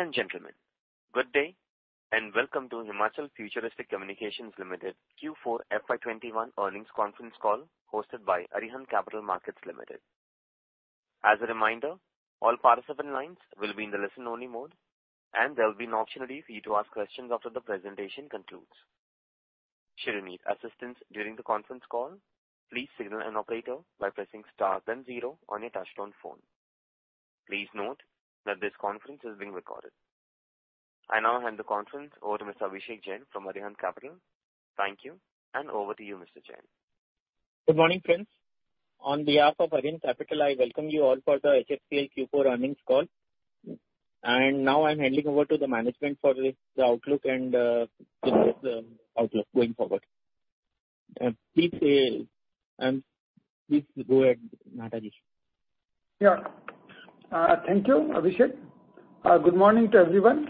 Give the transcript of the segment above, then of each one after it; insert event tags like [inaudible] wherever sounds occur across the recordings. Ladies and gentlemen, good day and welcome to Himachal Futuristic Communications Limited Q4 FY 2021 earnings conference call hosted by Arihant Capital Markets Ltd. As a reminder, all participant lines will be in the listen only mode, and there will be an opportunity for you to ask questions after the presentation concludes. Should you need assistance during the conference call, please signal an operator by pressing star then zero on your touchtone phone. Please note that this conference is being recorded. I now hand the conference over to Mr. Abhishek Jain from Arihant Capital. Thank you, and over to you, Mr. Jain. Good morning, friends. On behalf of Arihant Capital, I welcome you all for the HFCL Q4 earnings call. Now I'm handing over to the management for the outlook going forward. Please go ahead, Nahataji. Thank you, Abhishek. Good morning to everyone,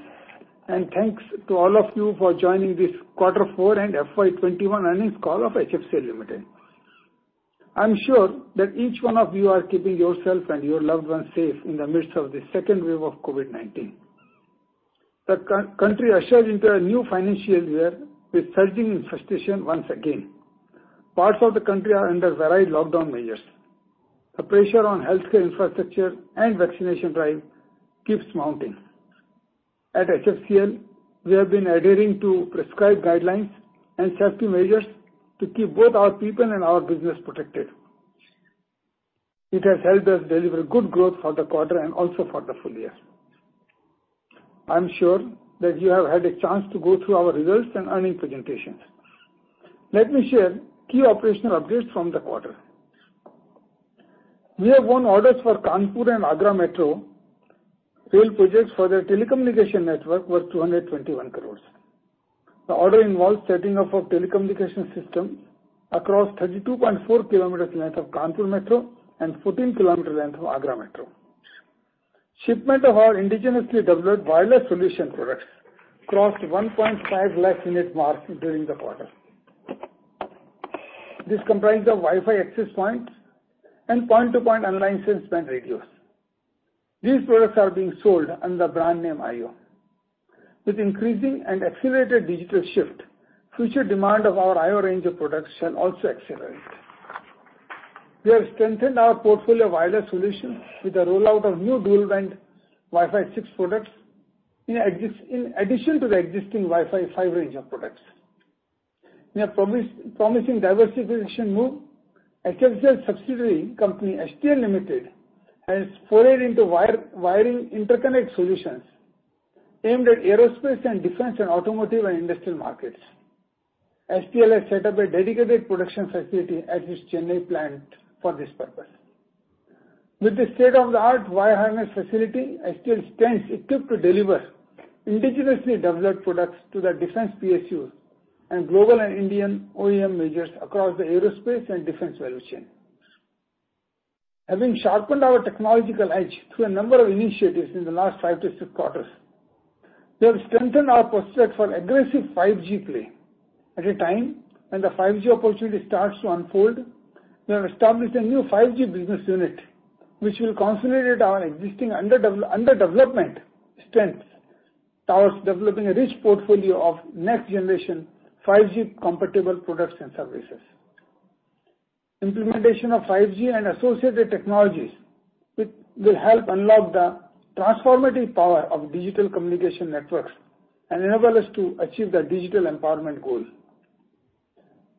and thanks to all of you for joining this quarter four and FY 2021 earnings call of HFCL Limited. I'm sure that each one of you are keeping yourself and your loved ones safe in the midst of the second wave of COVID-19. The country ushers into a new financial year with surging infestation once again. Parts of the country are under varied lockdown measures. The pressure on healthcare infrastructure and vaccination drive keeps mounting. At HFCL, we have been adhering to prescribed guidelines and safety measures to keep both our people and our business protected. It has helped us deliver good growth for the quarter and also for the full year. I am sure that you have had a chance to go through our results and earnings presentations. Let me share key operational updates from the quarter. We have won orders for Kanpur and Agra Metro rail projects for their telecommunication network worth 221 crores. The order involves setting up of telecommunication system across 32.4 km length of Kanpur Metro and 14 km length of Agra Metro. Shipment of our indigenously developed wireless solution products crossed 1.5 lakh unit mark during the quarter. This comprise of WiFi access points and point-to-point unlicensed band radios. These products are being sold under the brand name IO. With increasing and accelerated digital shift, future demand of our IO range of products shall also accelerate. We have strengthened our portfolio wireless solutions with the rollout of new dual band WiFi 6 products in addition to the existing WiFi 5 range of products. In a promising diversification move, HFCL subsidiary company, HTL Ltd., has forayed into wiring interconnect solutions aimed at aerospace and defense and automotive and industrial markets. HTL has set up a dedicated production facility at its Chennai plant for this purpose. With this state-of-the-art wire harness facility, HTL stands equipped to deliver indigenously developed products to the defense PSUs and global and Indian OEM majors across the aerospace and defense value chain. Having sharpened our technological edge through a number of initiatives in the last five to six quarters, we have strengthened our prospects for aggressive 5G play. At a time when the 5G opportunity starts to unfold, we have established a new 5G business unit, which will consolidate our existing under development strengths towards developing a rich portfolio of next generation 5G compatible products and services. Implementation of 5G and associated technologies will help unlock the transformative power of digital communication networks and enable us to achieve the digital empowerment goal.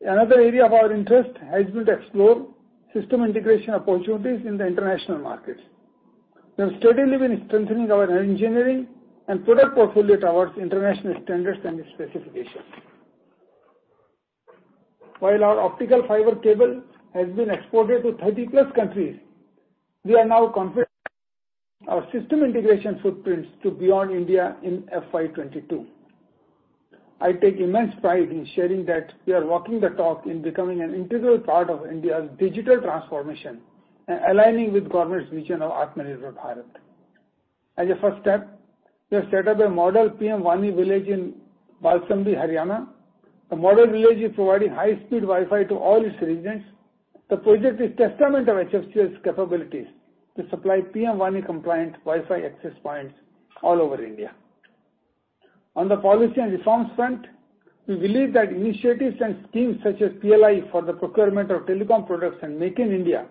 Another area of our interest has been to explore system integration opportunities in the international markets. We have steadily been strengthening our engineering and product portfolio towards international standards and specifications. While our Optical Fiber Cable has been exported to 30+ countries, we are now confident our system integration footprints to beyond India in FY 2022. I take immense pride in sharing that we are walking the talk in becoming an integral part of India's digital transformation and aligning with government's vision of Atmanirbhar Bharat. As a first step, we have set up a model PM-WANI village in Baslambi, Haryana. The model village is providing high-speed WiFi to all its residents. The project is testament of HFCL's capabilities to supply PM-WANI compliant WiFi access points all over India. On the policy and reforms front, we believe that initiatives and schemes such as PLI for the procurement of telecom products and Make in India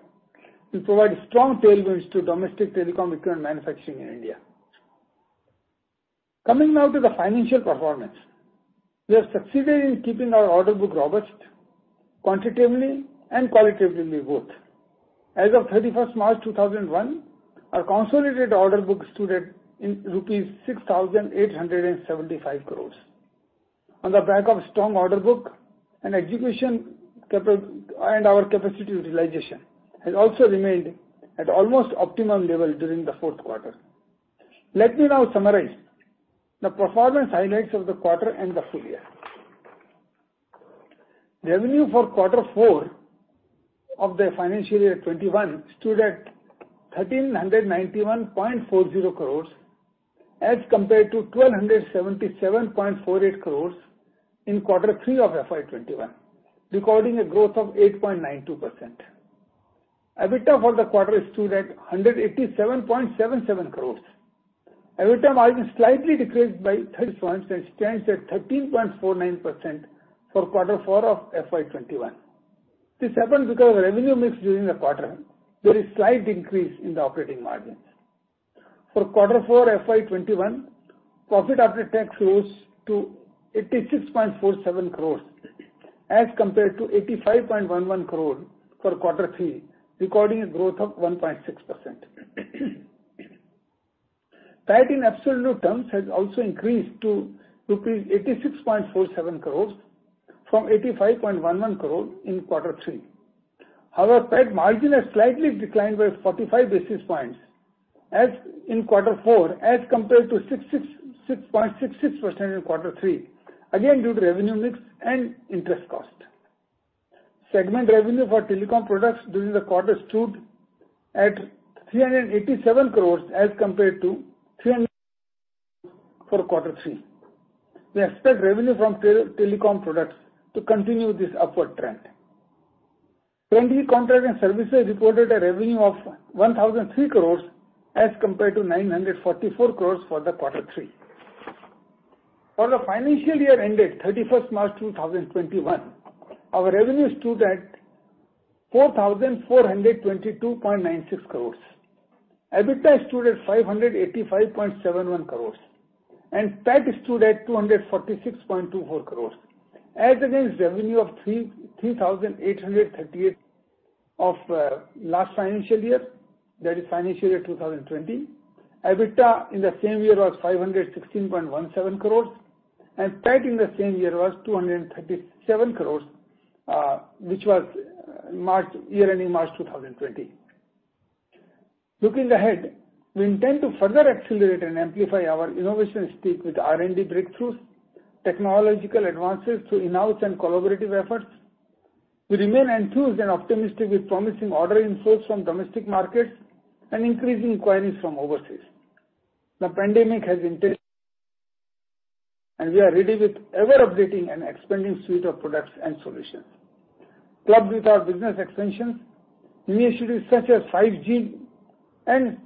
will provide strong tailwinds to domestic telecom equipment manufacturing in India. Coming now to the financial performance. We have succeeded in keeping our order book robust, quantitatively and qualitatively, both. As of 31st March 2021, our consolidated order books stood at rupees 6,875 crore. On the back of strong order book and execution, our capacity utilization has also remained at almost optimum level during the fourth quarter. Let me now summarize the performance highlights of the quarter and the full year. Revenue for quarter four of the FY 2021 stood at 1,391.40 crore as compared to 1,277.48 crore in quarter three of FY 2021, recording a growth of 8.92%. EBITDA for the quarter stood at 187.77 crore. EBITDA margin slightly decreased by 30 points and stands at 13.49% for quarter four of FY 2021. This happened because of revenue mix during the quarter. There is slight increase in the operating margins. For quarter four FY 2021, profit after tax rose to 86.47 crore as compared to 85.11 crore for quarter three, recording a growth of 1.6%. PAT in absolute terms has also increased to rupees 86.47 crore from 85.11 crore in quarter three. Our PAT margin has slightly declined by 45 basis points in quarter four as compared to 6.66% in quarter three, again due to revenue mix and interest cost. Segment revenue for telecom products during the quarter stood at 387 crores as compared to 300 crores for quarter three. We expect revenue from telecom products to continue this upward trend. Turnkey contract and services reported a revenue of 1,003 crores as compared to 944 crores for the quarter three. For the financial year ended 31st March 2021, our revenue stood at 4,422.96 crores. EBITDA stood at 585.71 crores and PAT stood at 246.24 crores. As against revenue of 3,838 of last financial year, that is financial year 2020, EBITDA in the same year was 516.17 crores, and PAT in the same year was 237 crores, which was year ending March 2020. Looking ahead, we intend to further accelerate and amplify our innovation speed with R&D breakthroughs, technological advances through in-house and collaborative efforts. We remain enthused and optimistic with promising order inflows from domestic markets and increasing inquiries from overseas. The pandemic has intensified, and we are ready with ever-updating and expanding suite of products and solutions. Clubbed with our business expansions, initiatives such as 5G and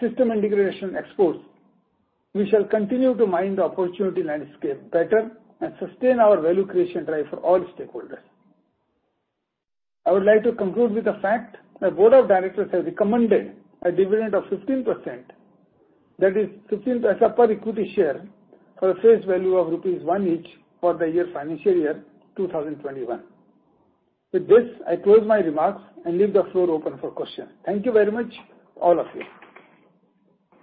system integration exports, we shall continue to mind the opportunity landscape better and sustain our value creation drive for all stakeholders. I would like to conclude with the fact the Board of Directors have recommended a dividend of 15%, that is 15 paisa per equity share for a face value of rupees one each for the financial year 2021. With this, I close my remarks and leave the floor open for questions. Thank you very much, all of you.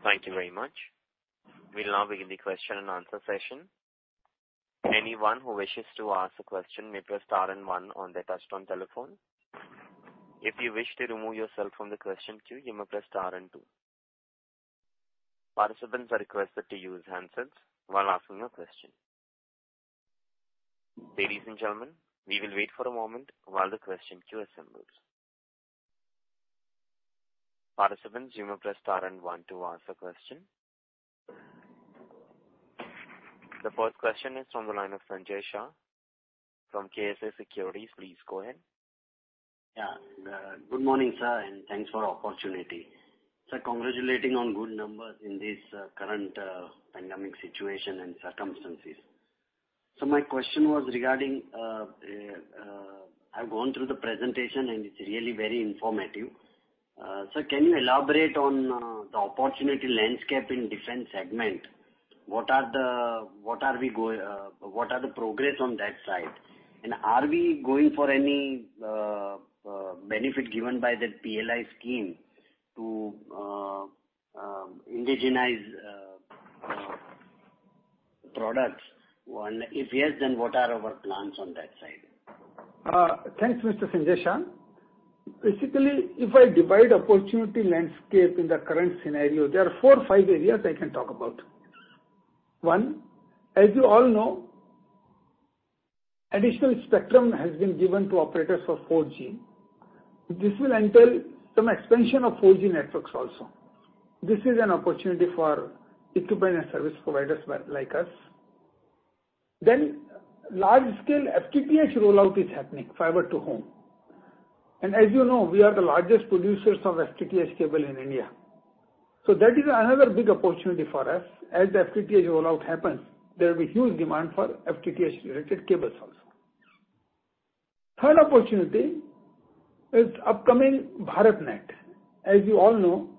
Thank you very much. We'll now begin the question and answer session. If anyone who wishes to ask a question you may press star and one on the touch-tone telephone. If you wish to remove yourself from the question queue you may press star and two. Participants are requested to use handsets while asking your questions. Ladies and gentlemen, we will wait for a moment while the question queue assembles. Participants you may press star and one to ask a question The first question is from the line of Sanjay Shah from KSA Securities. Please go ahead. Yeah. Good morning, sir, and thanks for the opportunity. Sir, congratulating on good numbers in this current pandemic situation and circumstances. My question was regarding, I've gone through the presentation, and it's really very informative. Sir, can you elaborate on the opportunity landscape in different segment? What are the progress on that side, and are we going for any benefit given by the PLI scheme to indigenize products? If yes, what are our plans on that side? Thanks, Mr. Sanjay Shah. Basically, if I divide opportunity landscape in the current scenario, there are four or five areas I can talk about. One, as you all know, additional spectrum has been given to operators for 4G. This will entail some expansion of 4G networks also. This is an opportunity for equipment and service providers like us. Large-scale FTTH rollout is happening, fiber to home. As you know, we are the largest producers of FTTH cable in India. That is another big opportunity for us. As the FTTH rollout happens, there will be huge demand for FTTH-related cables also. Third opportunity is upcoming BharatNet. As you all know,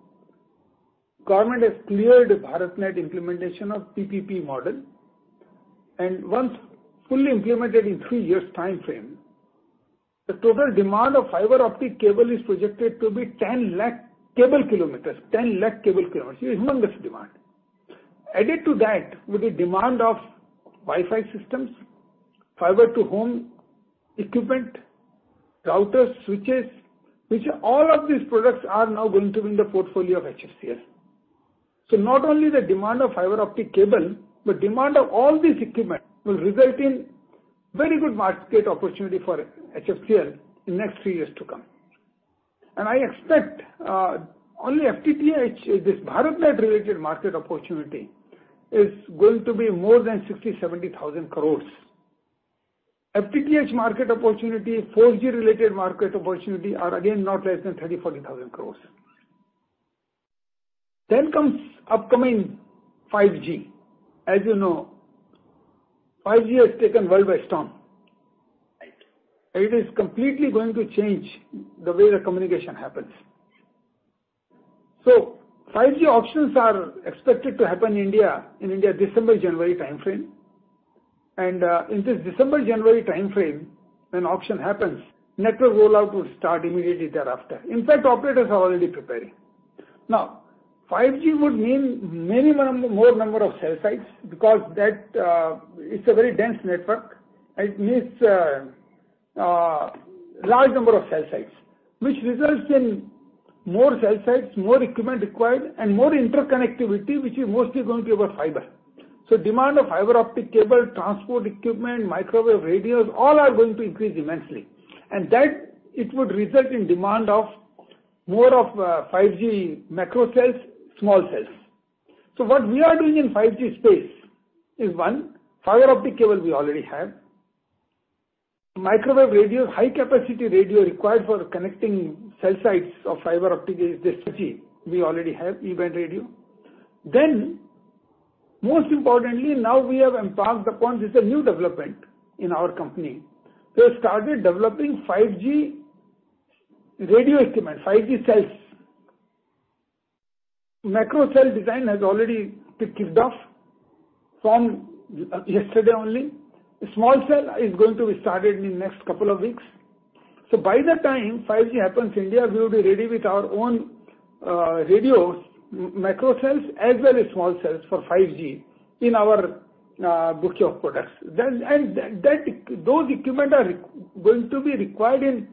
government has cleared BharatNet implementation of PPP model, and once fully implemented in three years timeframe, the total demand of fiber optic cable is projected to be 10 lakh cable kilometers. 10 lakh cable kilometers is humongous demand. Added to that, with the demand of WiFi systems, fiber-to-home equipment, routers, switches, which all of these products are now going to be in the portfolio of HFCL. Not only the demand of fiber optic cable, but demand of all this equipment will result in very good market opportunity for HFCL in next three years to come. I expect only FTTH, this BharatNet-related market opportunity, is going to be more than 60,000-70,000 crores. FTTH market opportunity, 4G related market opportunity are again not less than 30,000-40,000 crores. Then comes upcoming 5G. As you know, 5G has taken world by storm. It is completely going to change the way the communication happens. 5G auctions are expected to happen in India, December, January timeframe. In this December, January timeframe, when auction happens, network rollout will start immediately thereafter. In fact, operators are already preparing. Now, 5G would mean many more number of cell sites because that is a very dense network. It needs a large number of cell sites, which results in more cell sites, more equipment required, and more interconnectivity, which is mostly going to be over fiber. Demand of fiber optic cable, transport equipment, microwave radios, all are going to increase immensely. That it would result in demand of more of 5G macro cells, small cells. What we are doing in 5G space is one, fiber optic cable we already have. Microwave radio, high capacity radio required for connecting cell sites of fiber optic is this 5G. We already have E-band radio. Most importantly, now we have embarked upon, this is a new development in our company. We have started developing 5G radio equipment, 5G cells. Macro cell design has already kicked off from yesterday only. Small cell is going to be started in the next couple of weeks. By the time 5G happens India, we will be ready with our own radios, macro cells as well as small cells for 5G in our bouquet of products. Those equipment are going to be required in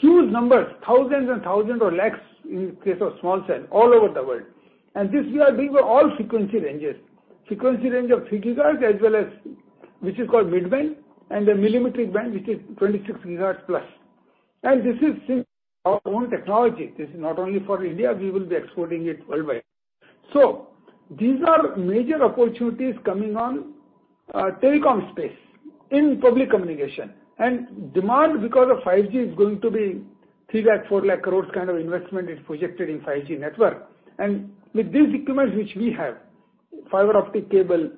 huge numbers, thousands and thousands or lakhs in case of small cell all over the world. This we are doing for all frequency ranges. Frequency range of three gigahertz as well as, which is called mid-band, and the millimetric band, which is 26 gigahertz plus. This is our own technology. This is not only for India, we will be exporting it worldwide. These are major opportunities coming on telecom space in public communication. Demand because of 5G is going to be 3 lakh, 4 lakh crores kind of investment is projected in 5G network. With these equipments which we have, fiber optic cable,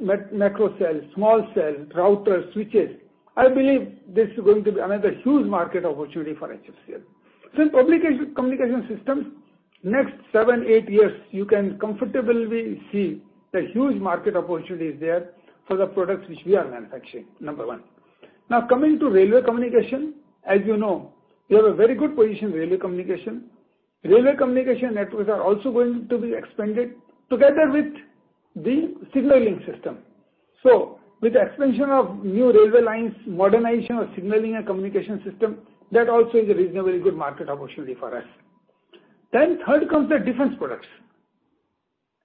macro cell, small cell, routers, switches, I believe this is going to be another huge market opportunity for HFCL. In public communication systems, next seven, eight years, you can comfortably see the huge market opportunity is there for the products which we are manufacturing, number one. Coming to railway communication. As you know, we have a very good position in railway communication. Railway communication networks are also going to be expanded together with the signaling system. With the expansion of new railway lines, modernization of signaling and communication system, that also is a reasonably good market opportunity for us. Third comes the defense products.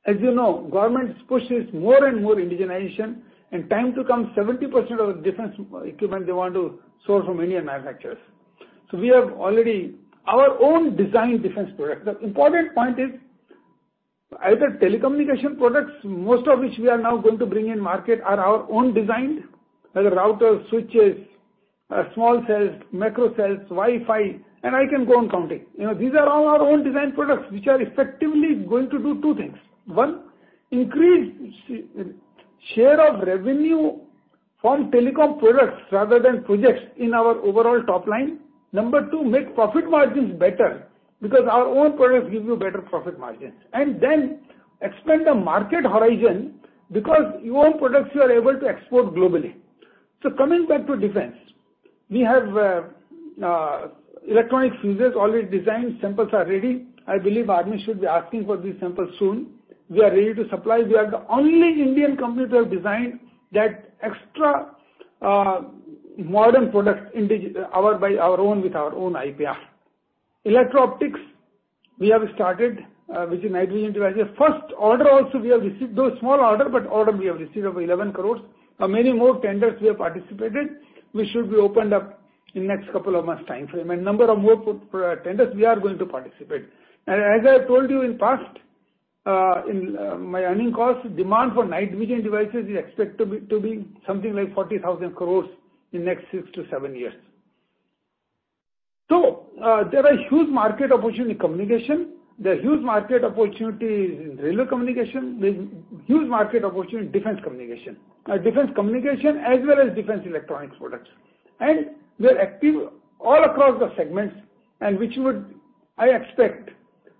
As you know, government pushes more and more indigenization and time to come 70% of defense equipment they want to source from Indian manufacturers. We have already our own design defense product. The important point is, either telecommunication products, most of which we are now going to bring in market are our own design, either routers, switches, small cells, macro cells, WiFi, and I can go on counting. These are all our own design products, which are effectively going to do two things. One, increase share of revenue from telecom products rather than projects in our overall top line. Number two, make profit margins better because our own products give you better profit margins. Expand the market horizon because your products you are able to export globally. Coming back to defense. We have Electronic Fuzes, already designed, samples are ready. I believe Army should be asking for these samples soon. We are ready to supply. We are the only Indian company to have designed that extra modern products by our own with our own IPR. Electro-optics, we have started, which is night vision devices. First order also we have received, though small order, but order we have received of 11 crores. Many more tenders we have participated, which should be opened up in next couple of months timeframe. Number of more tenders we are going to participate. As I told you in past, in my earning calls, demand for night vision devices is expected to be something like 40,000 crores in next six to seven years. There are huge market opportunity communication. There are huge market opportunities in railway communication. There's huge market opportunity in defense communication. Defense communication as well as defense electronics products. We're active all across the segments and which would, I expect,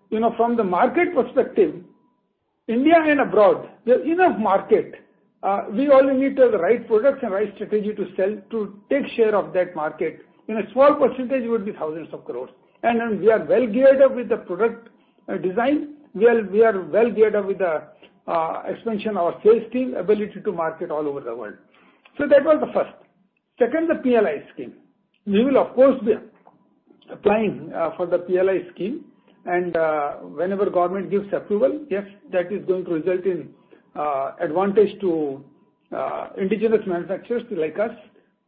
from the market perspective, India and abroad, there's enough market. We only need to have the right products and right strategy to sell, to take share of that market. In a small percentage, it would be thousands of crores. We are well geared up with the product design. We are well geared up with the expansion of our sales team, ability to market all over the world. That was the first. Second, the PLI scheme. We will of course be applying for the PLI scheme and whenever government gives approval, yes, that is going to result in advantage to indigenous manufacturers like us.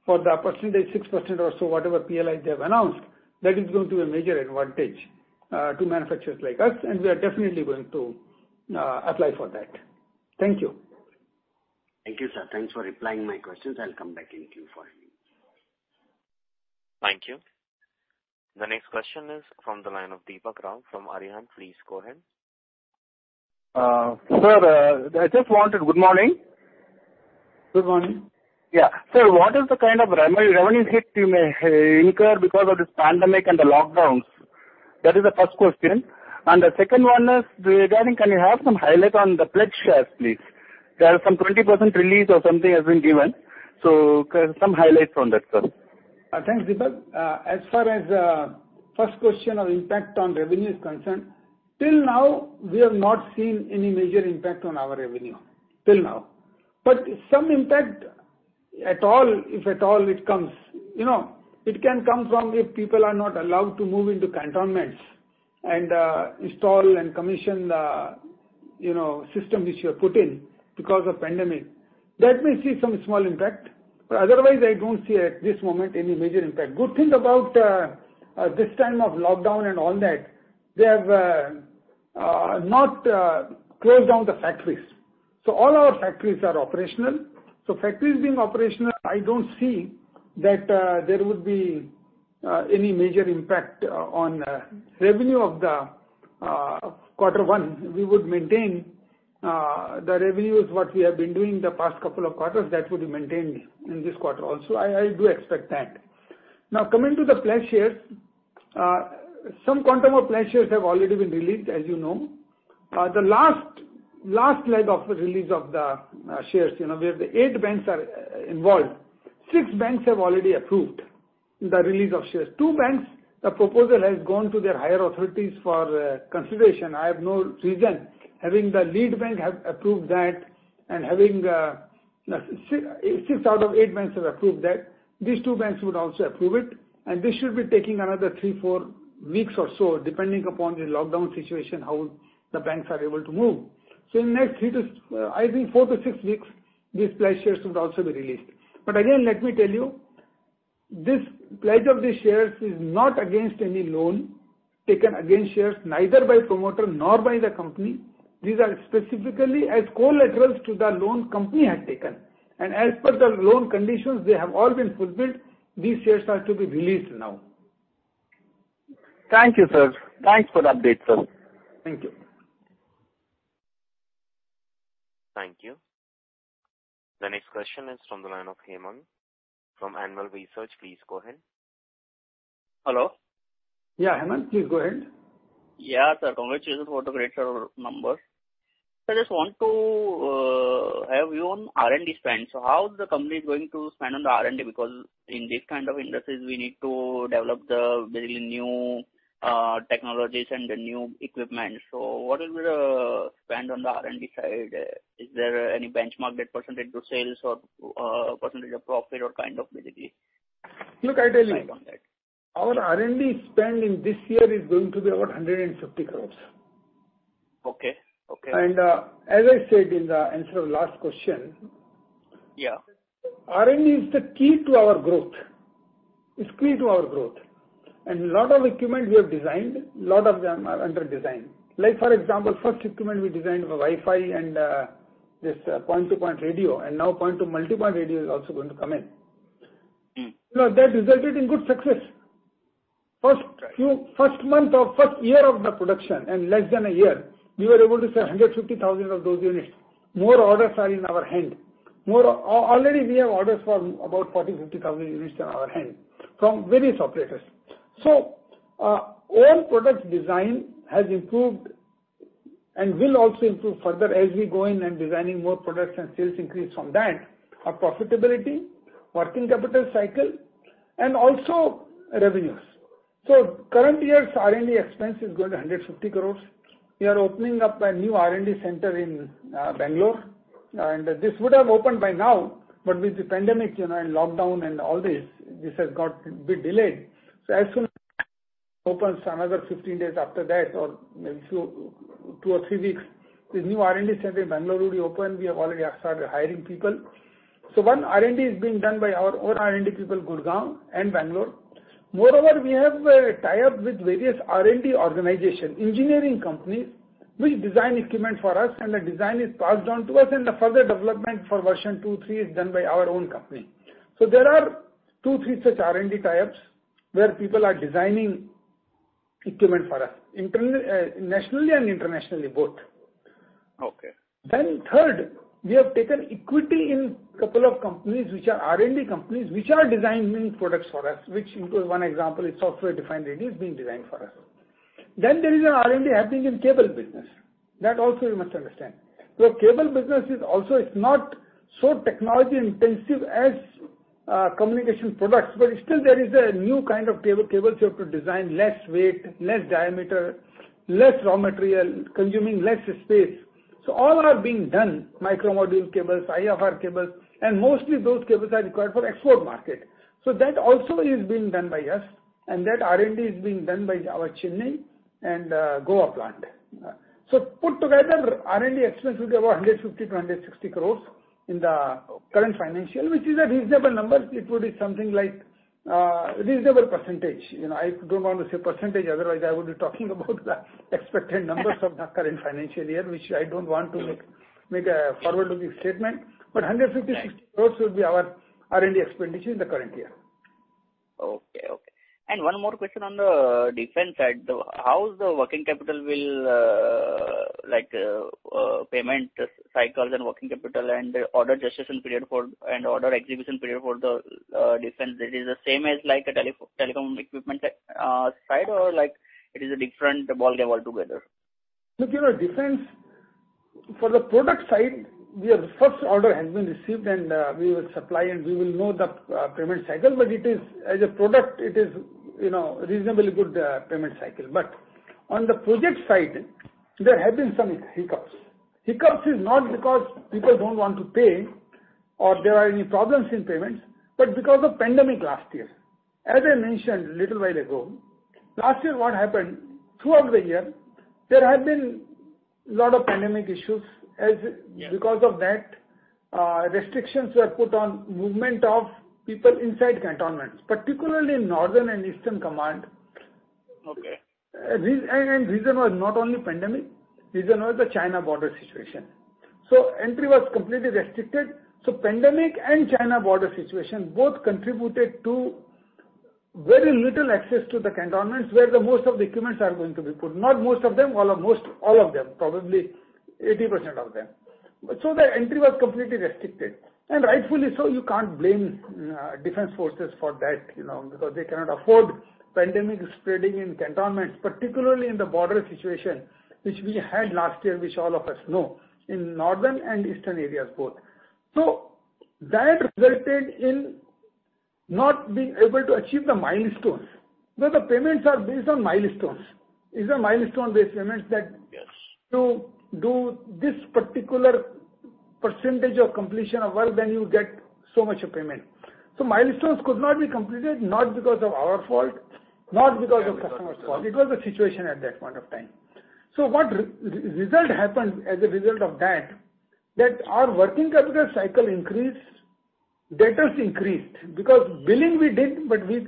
For the percentage, 6% or so, whatever PLI they have announced, that is going to be a major advantage to manufacturers like us, and we are definitely going to apply for that. Thank you. Thank you, sir. Thanks for replying my questions. I'll come back in queue for you. Thank you. The next question is from the line of Dipak Rout from Arihant. Please go ahead. Sir, good morning. Good morning. Yeah. Sir, what is the kind of revenue hit you may incur because of this pandemic and the lockdowns? That is the first question. The second one is regarding can you have some highlight on the pledged shares, please? There are some 20% release or something has been given. Some highlights on that, sir. Thanks, Dipak. As far as first question of impact on revenue is concerned, till now, we have not seen any major impact on our revenue. Till now. Some impact, if at all it comes, it can come from if people are not allowed to move into cantonments and install and commission the system which you have put in because of pandemic. That may see some small impact. Otherwise, I don't see at this moment any major impact. Good thing about this time of lockdown and all that, they have not closed down the factories. All our factories are operational. Factories being operational, I don't see that there would be any major impact on revenue of the quarter one. We would maintain the revenues what we have been doing the past couple of quarters, that would be maintained in this quarter also. I do expect that. Coming to the pledged shares. Some quantum of pledged shares have already been released, as you know. The last leg of the release of the shares, where the eight banks are involved, six banks have already approved the release of shares. Two banks, the proposal has gone to their higher authorities for consideration. I have no reason, having the lead bank have approved that and having six out of eight banks have approved that, these two banks would also approve it, and this should be taking another three, four weeks or so, depending upon the lockdown situation, how the banks are able to move. In the next, I think four to six weeks, these pledged shares would also be released. Again, let me tell you, this pledge of the shares is not against any loan taken against shares, neither by promoter nor by the company. These are specifically as collaterals to the loan company had taken. As per the loan conditions, they have all been fulfilled. These shares are to be released now. Thank you, sir. Thanks for the update, sir. Thank you. Thank you. The next question is from the line of [Hemant] from Amwal Research. Please go ahead. Hello? Yeah [Hemant] Please go ahead. Yeah, sir. Congratulations for the great set of numbers. Sir, I just want to have view on R&D spend. How is the company going to spend on the R&D? Because in these kind of industries, we need to develop the very new technologies and the new equipment. What is the spend on the R&D side? Is there any benchmark, that percentage to sales or percentage of profit or kind of visibility? Look, I tell you. Sorry about that. Our R&D spend in this year is going to be over 150 crores. Okay. As I said in the answer of last question. Yeah. R&D is the key to our growth. It's key to our growth. Lot of equipment we have designed, lot of them are under design. Like for example, first equipment we designed was WiFi and this point-to-point radio, and now point-to-multipoint radio is also going to come in. That resulted in good success. First year of the production, in less than a year, we were able to sell 150,000 of those units. More orders are in our hand. Already we have orders for about 40,000, 50,000 units in our hand from various operators. Own product design has improved and will also improve further as we go in and designing more products and sales increase from that. Our profitability, working capital cycle, and also revenues. Current year's R&D expense is going to 150 crores. We are opening up a new R&D center in Bangalore. This would have opened by now, but with the pandemic and lockdown and all this has got a bit delayed. As soon as it opens another 15 days after that or maybe two or three weeks, the new R&D center in Bangalore will be open. We have already started hiring people. One R&D is being done by our own R&D people, Gurugram and Bangalore. Moreover, we have a tie-up with various R&D organization, engineering companies, which design equipment for us, and the design is passed on to us, and the further development for version two, three is done by our own company. There are two, three such R&D tie-ups where people are designing equipment for us, nationally and internationally, both. Okay. Third, we have taken equity in couple of companies, which are R&D companies, which are designing products for us, which include one example is software-defined radio is being designed for us. There is an R&D happening in cable business. That also you must understand. Cable business is also not so technology-intensive as communication products, but still there is a new kind of cable you have to design, less weight, less diameter, less raw material, consuming less space. All are being done, micro module cables, IFR cables, and mostly those cables are required for export market. That also is being done by us, and that R&D is being done by our Chennai and Goa plant. Put together, R&D expense will be about 150 crores-160 crores in the current financial, which is a reasonable number. It would be something like a reasonable percentage. I don't want to say percentage, otherwise I would be talking about the expected numbers of the current financial year, which I don't want to make a forward-looking statement. 150 crore-160 crore will be our R&D expenditure in the current year. Okay. One more question on the defense side. How the working capital will like, payment cycles and working capital and order adjustment period and order execution period for the defense? Is it the same as a telecom equipment side, or it is a different ball game altogether? Defense, for the product side, the first order has been received, and we will supply and we will know the payment cycle. As a product, it is reasonably good payment cycle. On the project side, there have been some hiccups. Hiccups is not because people don't want to pay or there are any problems in payments, but because of pandemic last year. I mentioned a little while ago, last year what happened, throughout the year, there have been a lot of pandemic issues. Because of that, restrictions were put on movement of people inside cantonments, particularly in Northern and Eastern Command. Okay. Reason was not only pandemic, reason was the China border situation. Entry was completely restricted. Pandemic and China border situation both contributed to very little access to the cantonments where the most of the equipments are going to be put. Not most of them, well, most all of them, probably 80% of them. The entry was completely restricted. Rightfully so, you can't blame defense forces for that, because they cannot afford pandemic spreading in cantonments, particularly in the border situation, which we had last year, which all of us know, in northern and eastern areas both. That resulted in not being able to achieve the milestones. The payments are based on milestones. These are milestone-based payments that. Yes. To do this particular percentage of completion of work, then you get so much payment. Milestones could not be completed, not because of our fault, not because of customer's fault, because of situation at that point of time. What result happened as a result of that our working capital cycle increased, debtors increased. Billing we did, but we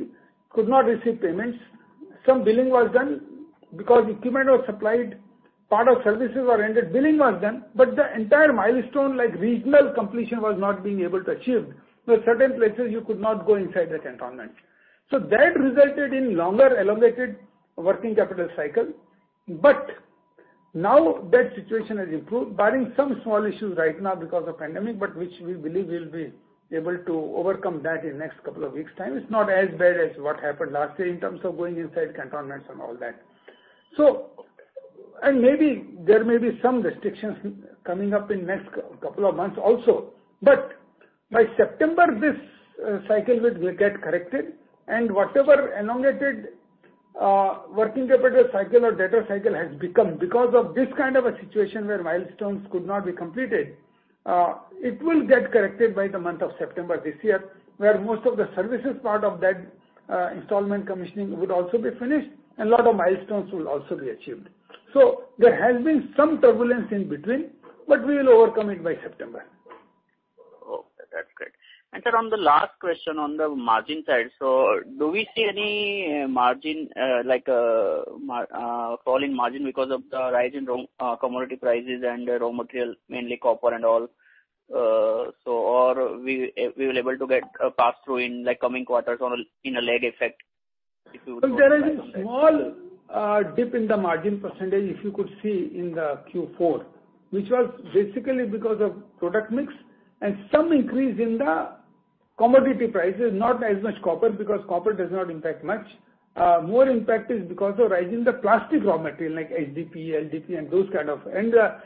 could not receive payments. Some billing was done because equipment was supplied, part of services are rendered. Billing was done, but the entire milestone, like regional completion was not being able to achieve. Certain places you could not go inside the cantonment. That resulted in longer elongated working capital cycle. Now that situation has improved, barring some small issues right now because of pandemic, but which we believe we'll be able to overcome that in next couple of weeks' time. It's not as bad as what happened last year in terms of going inside cantonments and all that. Maybe there may be some restrictions coming up in next couple of months also. By September, this cycle will get corrected and whatever elongated working capital cycle or debtor cycle has become because of this kind of a situation where milestones could not be completed, it will get corrected by the month of September this year, where most of the services part of that installment commissioning would also be finished, and lot of milestones will also be achieved. There has been some turbulence in between, but we will overcome it by September. Okay. That's great. Sir, on the last question on the margin side, do we see any margin, like a fall in margin because of the rise in raw commodity prices and raw material, mainly copper and all, or we will able to get a pass-through in the coming quarters or in a lag effect, if you would know? There is a small dip in the margin percentage, if you could see in the Q4, which was basically because of product mix and some increase in the commodity prices, not as much copper, because copper does not impact much. More impact is because of rise in the plastic raw material like HDPE, LDPE and those kind of and the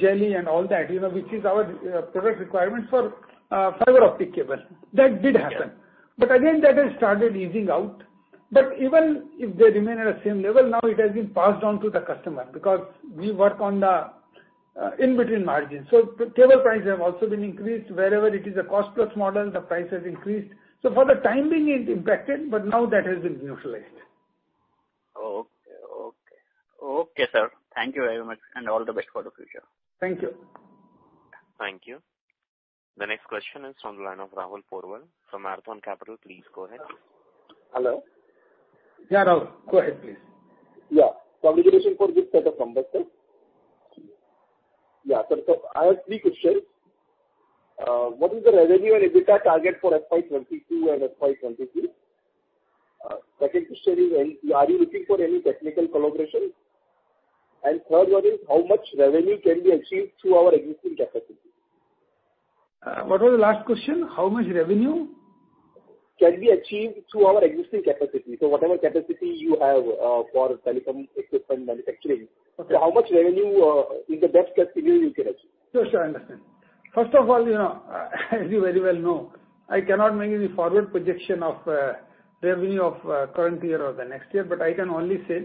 jelly and all that, which is our product requirement for fiber optic cable. That did happen. Again, that has started easing out. Even if they remain at the same level, now it has been passed on to the customer because we work on the in between margins. Cable prices have also been increased. Wherever it is a cost plus model, the price has increased. For the time being, it impacted, but now that has been neutralized. Okay. Okay, sir. Thank you very much and all the best for the future. Thank you. Thank you. The next question is from the line of Rahul Porwal from Marathon Capital. Please go ahead. Hello? Yeah, Rahul, go ahead, please. Yeah. Congratulations for this set of numbers, sir. I have three questions. What is the revenue and EBITDA target for FY 2022 and FY 2023? Second question is, are you looking for any technical collaboration? Third one is, how much revenue can we achieve through our existing capacity? What was the last question? How much revenue? Can be achieved through our existing capacity. Whatever capacity you have for telecom equipment manufacturing. Okay. How much revenue in the best case scenario you can achieve? Sure. I understand. First of all, as you very well know, I cannot make any forward projection of revenue of current year or the next year, but I can only say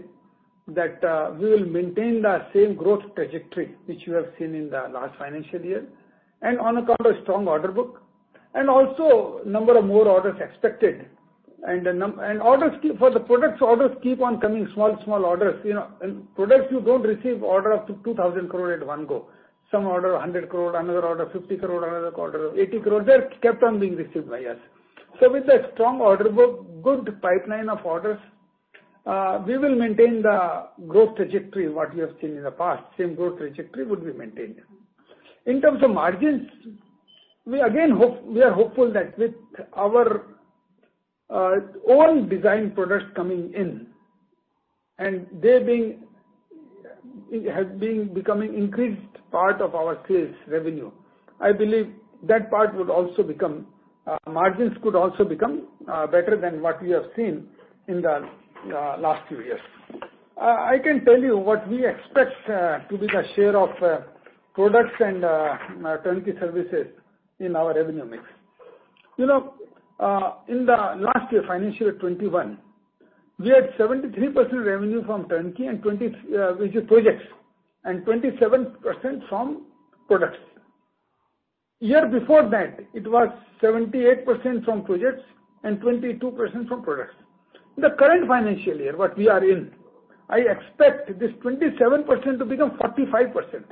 that we will maintain the same growth trajectory, which you have seen in the last financial year, and on account of strong order book, and also number of more orders expected. Orders for the products keep on coming small orders. In products, you don't receive order up to 2,000 crore in one go. Some order 100 crore, another order 50 crore, another order 80 crore. They're kept on being received by us. With that strong order book, good pipeline of orders, we will maintain the growth trajectory, what we have seen in the past. Same growth trajectory would be maintained. In terms of margins, we are hopeful that with our own design products coming in, they have been becoming increased part of our sales revenue. I believe that margins could also become better than what we have seen in the last few years. I can tell you what we expect to be the share of products and turnkey services in our revenue mix. In the last year, FY 2021, we had 73% revenue from turnkey and projects, and 27% from products. Year before that, it was 78% from projects and 22% from products. In the current financial year, what we are in, I expect this 27% to become 45%.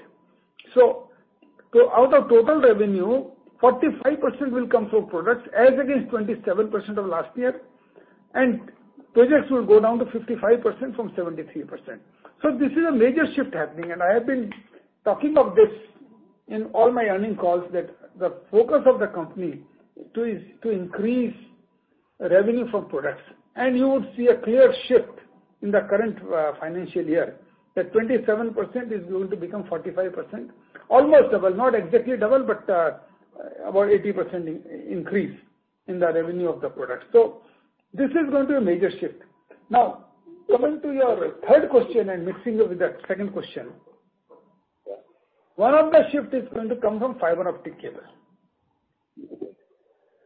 Out of total revenue, 45% will come from products, as against 27% of last year, and projects will go down to 55% from 73%. This is a major shift happening, and I have been talking of this in all my earning calls, that the focus of the company is to increase revenue from products. You would see a clear shift in the current financial year, that 27% is going to become 45%. Almost double, not exactly double, but about 80% increase in the revenue of the product. This is going to be a major shift. Coming to your third question and mixing it with that second question. One of the shift is going to come from fiber optic cable.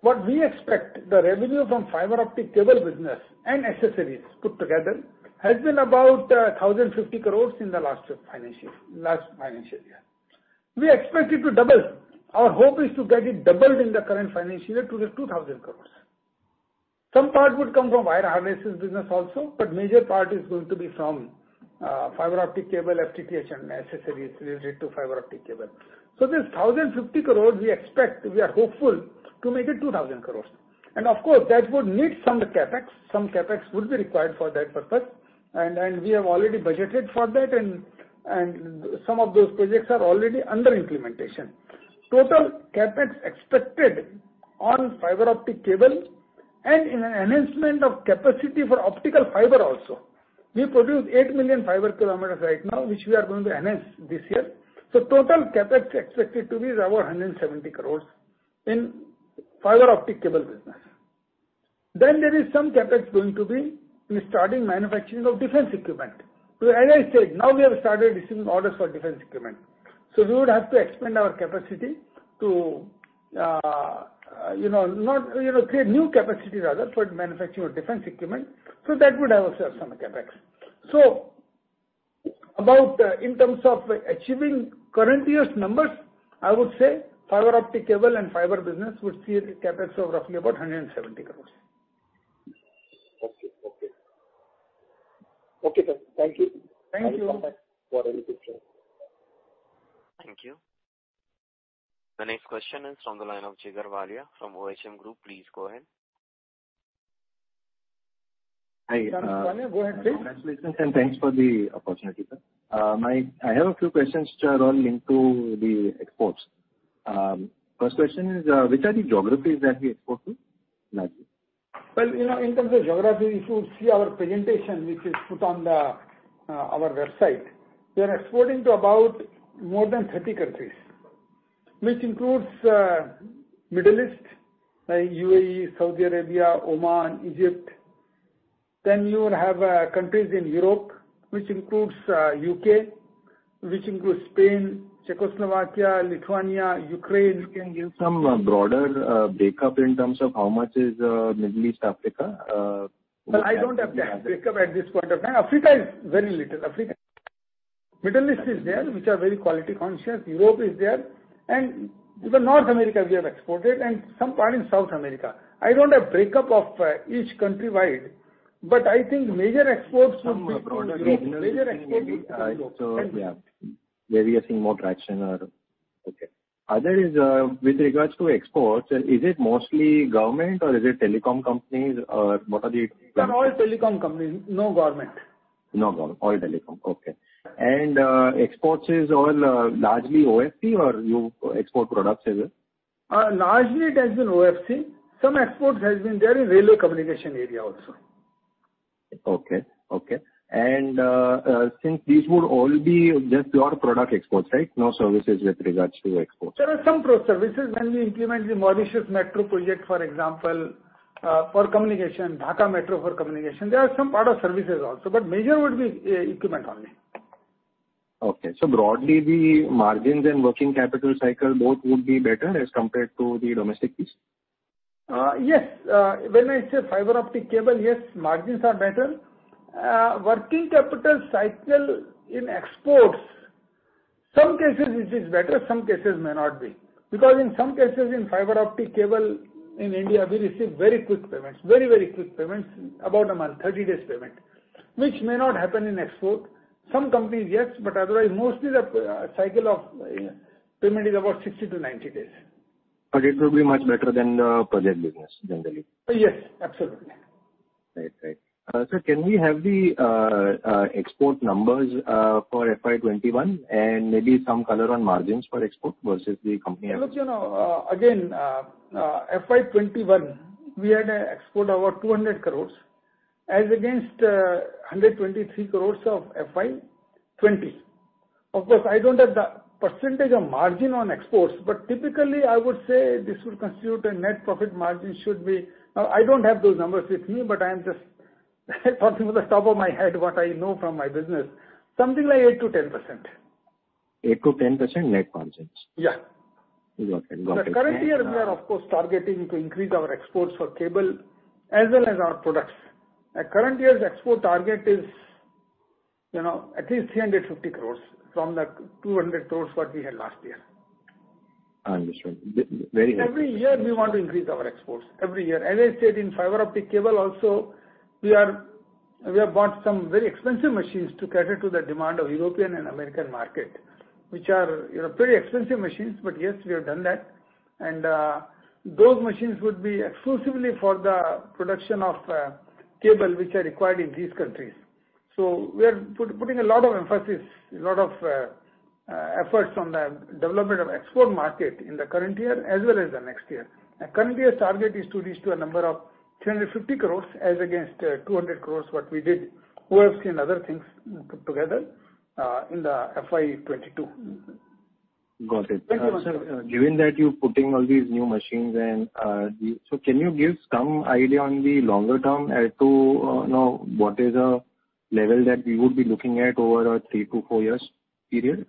What we expect the revenue from fiber optic cable business and accessories put together, has been about 1,050 crore in the last financial year. We expect it to double. Our hope is to get it doubled in the current financial year to the 2,000 crore. Some part would come from wire harnesses business also, but major part is going to be from fiber optic cable, FTTH, and accessories related to fiber optic cable. This 1,050 crores we expect, we are hopeful to make it 2,000 crores. Of course, that would need some CapEx. Some CapEx would be required for that purpose. We have already budgeted for that and some of those projects are already under implementation. Total CapEx expected on fiber optic cable and in an enhancement of capacity for optical fiber also. We produce 8 million fiber kilometers right now, which we are going to enhance this year. Total CapEx expected to be around 170 crores in fiber optic cable business. There is some CapEx going to be in starting manufacturing of defense equipment. As I said, now we have started receiving orders for defense equipment. We would have to expand our capacity to create new capacity rather for manufacturing of defense equipment. That would have also some CapEx. About in terms of achieving current year's numbers, I would say fiber optic cable and fiber business would see a CapEx of roughly about 170 crores. Okay. Okay, sir. Thank you. Thank you. I will come back for any future. Thank you. The next question is from the line of [Jigar Valia] from OHM Group. Please go ahead. [Jigar Valia] go ahead please. Congratulations and thanks for the opportunity, sir. I have a few questions, sir, all linked to the exports. First question is, which are the geographies that we export to, largely? Well, in terms of geography, if you see our presentation, which is put on our website. We are exporting to about more than 30 countries which includes, Middle East, like U.A.E., Saudi Arabia, Oman, Egypt. Then you would have countries in Europe, which includes U.K., which includes Spain, Czech Republic, Lithuania, Ukraine. Some broader breakup in terms of how much is Middle East, Africa? Well, I don't have the breakup at this point of time. Africa is very little. Middle East is there, which are very quality conscious. Europe is there. To the North America, we have exported, and some part in South America. I don't have breakup of each country wide, but I think major exports would be to Europe. [crosstalk] we are seeing more traction. Okay. Other is, with regards to exports, is it mostly government or is it telecom companies, or what are the- They're all telecom companies. No government. No government. All telecom. Okay. Exports is all largely OFC or you export products as well? Largely, it has been OFC. Some exports has been there in railway communication area also. Okay. Since these would all be just your product exports, right? No services with regards to exports. There are some pro services. When we implement the Mauritius Metro project, for example, for communication, Dhaka Metro for communication. There are some part of services also, but major would be equipment only. Okay. Broadly, the margins and working capital cycle both would be better as compared to the domestic piece? Yes. When I say fiber optic cable, yes, margins are better. Working capital cycle in exports, some cases it is better, some cases may not be. In some cases, in fiber optic cable in India, we receive very quick payments. Very, very quick payments. About a month, 30 days payment, which may not happen in export. Some companies, yes, otherwise, mostly the cycle of payment is about 60-90 days. It will be much better than the project business, generally. Yes, absolutely. Right. Sir, can we have the export numbers for FY 2021, and maybe some color on margins for export versus the company. Look, again, FY 2021, we had export about 200 crores, as against 123 crores of FY 2020. Of course, I don't have the percentage of margin on exports, but typically I would say this would constitute a net profit margin. I don't have those numbers with me, but I'm just talking from the top of my head what I know from my business. Something like 8%-10%. 8%-10% net margins? Yeah. Got it. The current year, we are of course targeting to increase our exports for cable as well as our products. Our current year's export target is at least 350 crores from the 200 crores what we had last year. Understood. Very helpful. Every year we want to increase our exports, every year. As I said, in fiber optic cable also, we have bought some very expensive machines to cater to the demand of European and American market, which are pretty expensive machines, but yes, we have done that. And those machines would be exclusively for the production of cable, which are required in these countries. We are putting a lot of emphasis and a lot of efforts on the development of export market in the current year, as well as the next year. Our current year's target is to reach to a number of 350 crores as against 200 crores what we did, OFC and other things put together, in the FY 2022. Got it. Thank you. Sir, given that you're putting all these new machines in, can you give some idea on the longer term as to what is the level that we would be looking at over a three to four years period?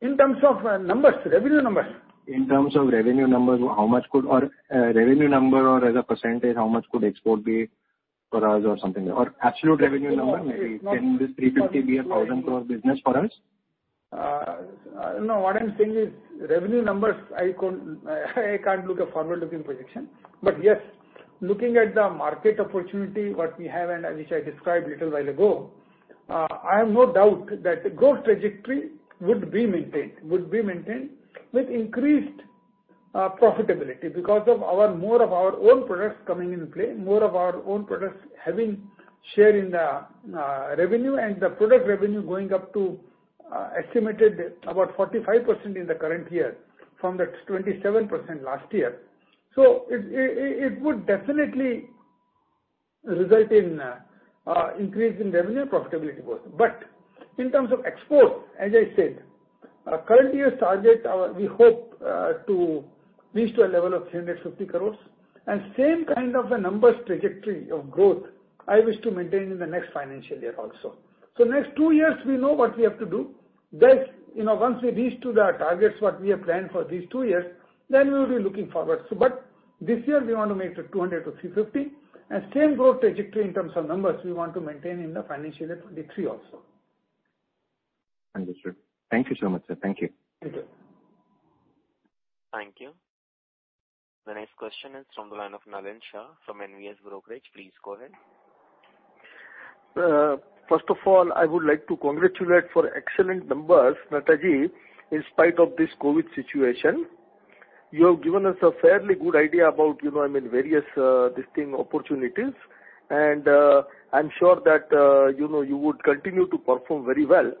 In terms of numbers, revenue numbers? In terms of revenue numbers, how much could revenue number or as a percentage, how much could export be for us or something like? Absolute revenue number, maybe can this 350 crore be a 1,000 crore business for us? What I'm saying is, revenue numbers, I can't look a forward-looking projection. Yes, looking at the market opportunity, what we have and which I described a little while ago, I have no doubt that growth trajectory would be maintained with increased profitability because of more of our own products coming in play, more of our own products having share in the revenue and the product revenue going up to estimated about 45% in the current year from the 27% last year. It would definitely result in increase in revenue profitability both. In terms of export, as I said, our current year's target, we hope to reach to a level of 350 crores, and same kind of a numbers trajectory of growth I wish to maintain in the next financial year also. Next two years, we know what we have to do. Once we reach to the targets what we have planned for these two years, we'll be looking forward. This year we want to make it 200-350, same growth trajectory in terms of numbers we want to maintain in the FY 2023 also. Understood. Thank you so much, sir. Thank you. Thank you. Thank you. The next question is from the line of Nalin Shah from NVS Brokerage. Please go ahead. First of all, I would like to congratulate for excellent numbers, Nahataji, in spite of this COVID situation. You have given us a fairly good idea about various distinct opportunities, and I'm sure that you would continue to perform very well.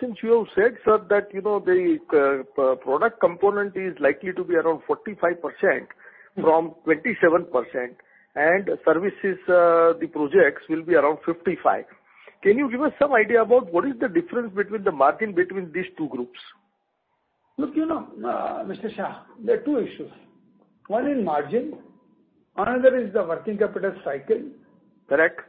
Since you have said, sir, that the product component is likely to be around 45% from 27%, and services, the projects, will be around 55%. Can you give us some idea about what is the difference between the margin between these two groups? Look, Mr. Shah, there are two issues. One is margin, another is the working capital cycle. Correct.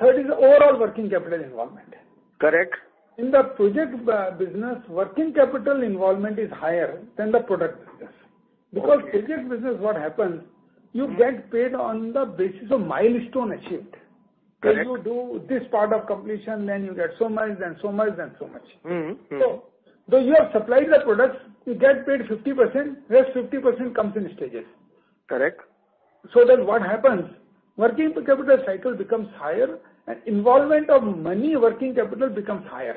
Third is the overall working capital involvement. Correct. In the project business, working capital involvement is higher than the product business. Okay. Because project business, what happens, you get paid on the basis of milestone achieved. Correct. If you do this part of completion, then you get so much and so much and so much. Though you have supplied the products, you get paid 50%, rest 50% comes in stages. Correct. What happens, working capital cycle becomes higher and involvement of money working capital becomes higher.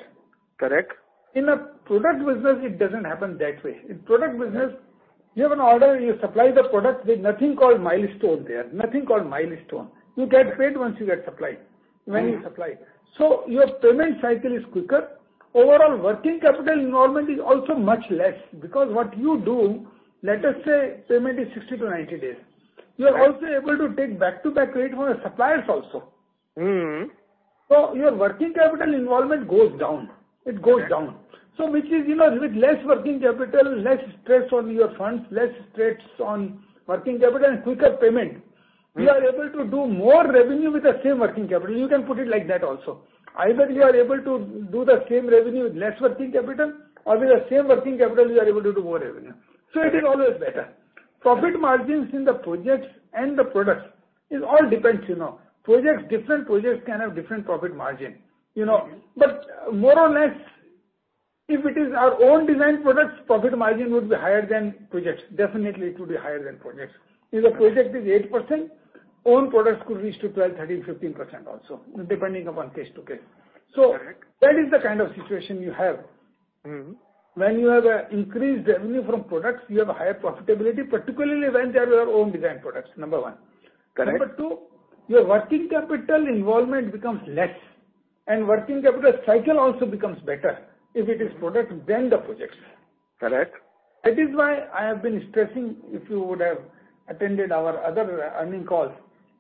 Correct. In a product business, it doesn't happen that way. In product business, you have an order, you supply the product, there's nothing called milestone there. Nothing called milestone. You get paid once you supply. Your payment cycle is quicker. Overall working capital involvement is also much less, because what you do, let us say payment is 60-90 days. Right. You are also able to take back to back rate from the suppliers also. Your working capital involvement goes down. It goes down. With less working capital, less stress on your funds, less stress on working capital, and quicker payment. We are able to do more revenue with the same working capital. You can put it like that also. Either we are able to do the same revenue with less working capital, or with the same working capital, we are able to do more revenue. It is always better. Profit margins in the projects and the products, it all depends. Different projects can have different profit margin. More or less, if it is our own design products, profit margin would be higher than projects. Definitely, it would be higher than projects. If the project is 8%, own products could reach to 12%, 13%, 15% also, depending upon case to case. Correct. That is the kind of situation you have. When you have increased revenue from products, you have a higher profitability, particularly when they are your own design products, number one. Correct. Number two, your working capital involvement becomes less, and working capital cycle also becomes better if it is product than the projects. Correct. That is why I have been stressing, if you would have attended our other earning calls.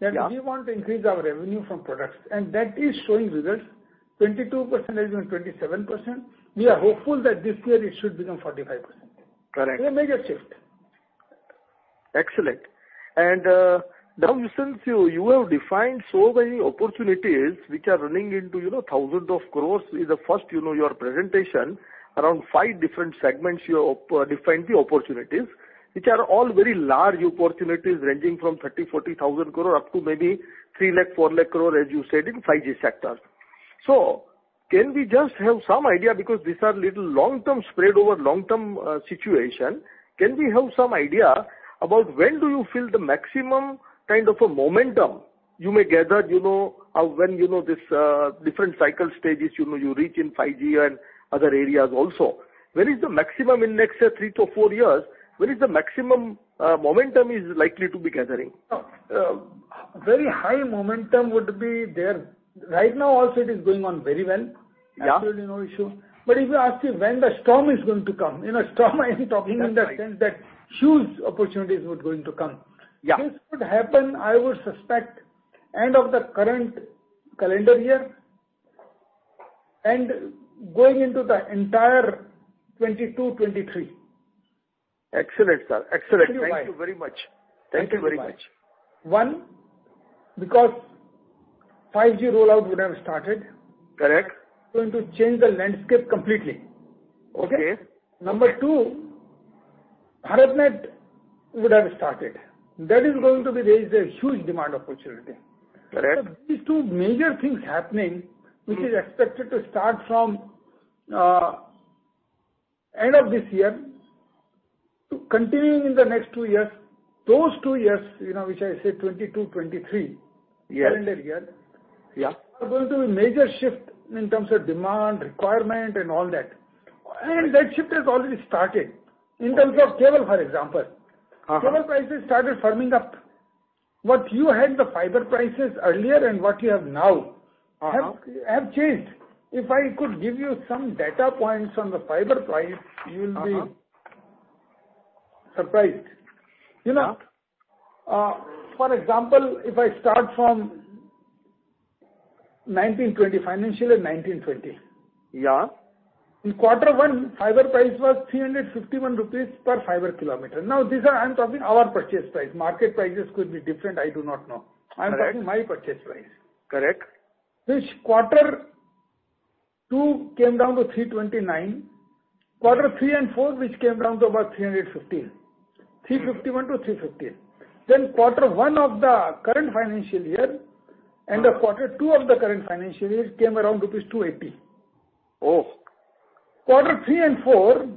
Yeah. That we want to increase our revenue from products, and that is showing results. 22% has been 27%. We are hopeful that this year it should become 45%. Correct. It's a major shift. Excellent. Now, since you have defined so many opportunities which are running into thousands of crores, in the first your presentation, around five different segments you have defined the opportunities. Which are all very large opportunities ranging from 30,000-40,000 crore up to maybe 3 lakh- 4 lakh crore, as you said, in 5G sectors. Can we just have some idea, because these are spread over long-term situation, can we have some idea about when do you feel the maximum kind of a momentum you may gather, when this different cycle stages you reach in 5G and other areas also. Where is the maximum in next three to four years, where is the maximum momentum is likely to be gathering? Very high momentum would be there. Right now also it is going on very well. Yeah. Absolutely no issue. If you ask me when the storm is going to come. Storm, I'm talking in the sense that huge opportunities would going to come. Yeah. This could happen, I would suspect, end of the current calendar year and going into the entire 2022, 2023. Excellent, sir. Excellent. Tell you why. Thank you very much. Tell you why. One, because 5G rollout would have started. Correct. It's going to change the landscape completely. Okay? Okay. Number two, BharatNet would have started. That is going to raise a huge demand opportunity. Correct. These two major things happening, which is expected to start from end of this year to continuing in the next two years. Those two years, which I say 2022, 2023. Yeah. Calendar year. Yeah. Are going to be major shift in terms of demand, requirement, and all that. That shift has already started in terms of cable, for example. Cable prices started firming up. What you had the fiber prices earlier and what you have now, have changed. If I could give you some data points on the fiber price, you will be surprised. Yeah. For example, if I start from financial year 2019/2020. Yeah. In quarter one, fiber price was 351 rupees per fiber kilometer. I'm talking our purchase price. Market prices could be different, I do not know. Correct. I'm talking my purchase price. Correct. Quarter two came down to 329. quarter three and four, which came down to about 315. 351-315. Quarter one of the current financial year, and the quarter two of the current financial year, it came around rupees 280. Oh. Quarter three and four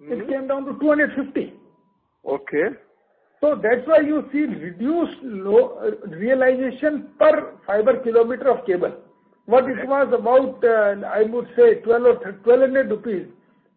it came down to 250. Okay. That's why you see reduced realization per fiber kilometer of cable. What it was about, I would say, 1,200 rupees,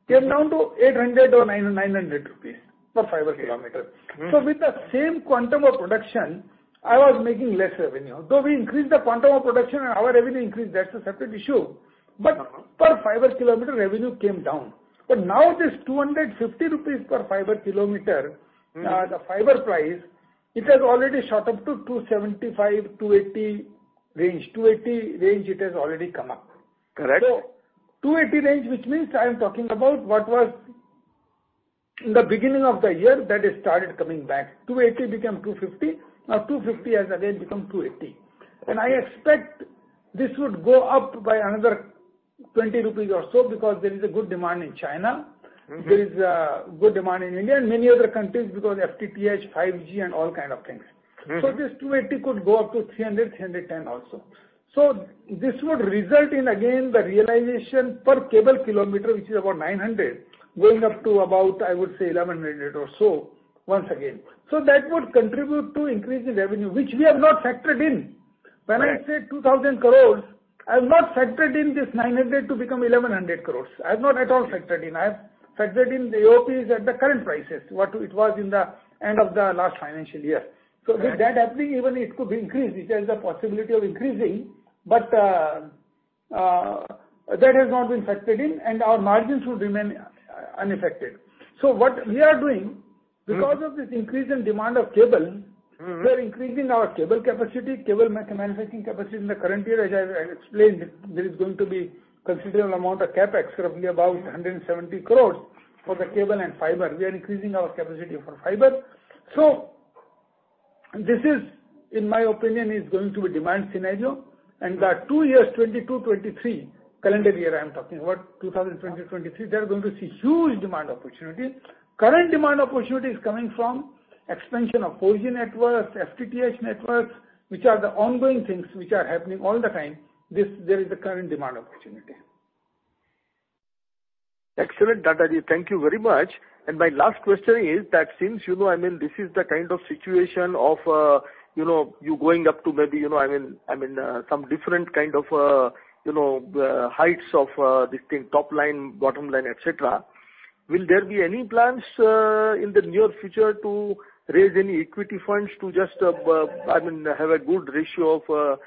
came down to 800 or 900 rupees per fiber kilometer. Okay. With the same quantum of production, I was making less revenue. Though we increased the quantum of production and our revenue increased, that's a separate issue. Per fiber kilometer, revenue came down. Now it is 250 rupees per fiber kilometer, the fiber price, it has already shot up to 275-280 range. 280 range, it has already come up. Correct. 280 range, which means I am talking about what was in the beginning of the year that it started coming back. 280 became 250. Now 250 has again become 280. I expect this would go up by another 20 rupees or so because there is a good demand in China. There is a good demand in India and many other countries because FTTH, 5G, and all kind of things. This 280 could go up to 300, 310 also. This would result in, again, the realization per cable kilometer, which is about 900, going up to about, I would say, 1,100 or so once again. That would contribute to increase in revenue, which we have not factored in. When I say 2,000 crore, I've not factored in this 900 to become 1,100 crore. I've not at all factored in. I have factored in the OpEx at the current prices, what it was in the end of the last financial year. Correct. With that happening, even it could increase. It has the possibility of increasing. That has not been factored in, and our margins would remain unaffected. We are doing, because of this increase in demand of cable. We are increasing our cable manufacturing capacity in the current year, as I explained, there is going to be considerable amount of CapEx, roughly about 170 crore. For the cable and fiber. We are increasing our capacity for fiber. This, in my opinion, is going to be demand scenario and the two years 2022, 2023, calendar year I'm talking about 2022, 2023, they're going to see huge demand opportunity. Current demand opportunity is coming from expansion of 4G networks, FTTH networks, which are the ongoing things which are happening all the time. There is the current demand opportunity. Excellent, Nahataji. Thank you very much. My last question is that since this is the kind of situation of you going up to maybe some different kind of heights of this thing, top line, bottom line, et cetera, will there be any plans in the near future to raise any equity funds to just have a good ratio of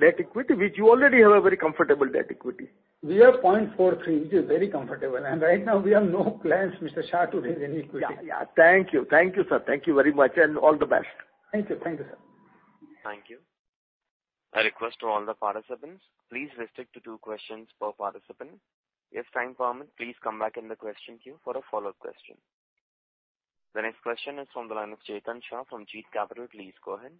debt equity, which you already have a very comfortable debt equity? We have 0.43, which is very comfortable, and right now we have no plans, Mr. Shah, to raise any equity. Yeah. Thank you, sir. Thank you very much, and all the best. Thank you, sir. Thank you. A request to all the participants. Please restrict to two questions per participant. If time permits, please come back in the question queue for a follow-up question. The next question is on the line of Chetan Shah from Jeet Capital. Please go ahead.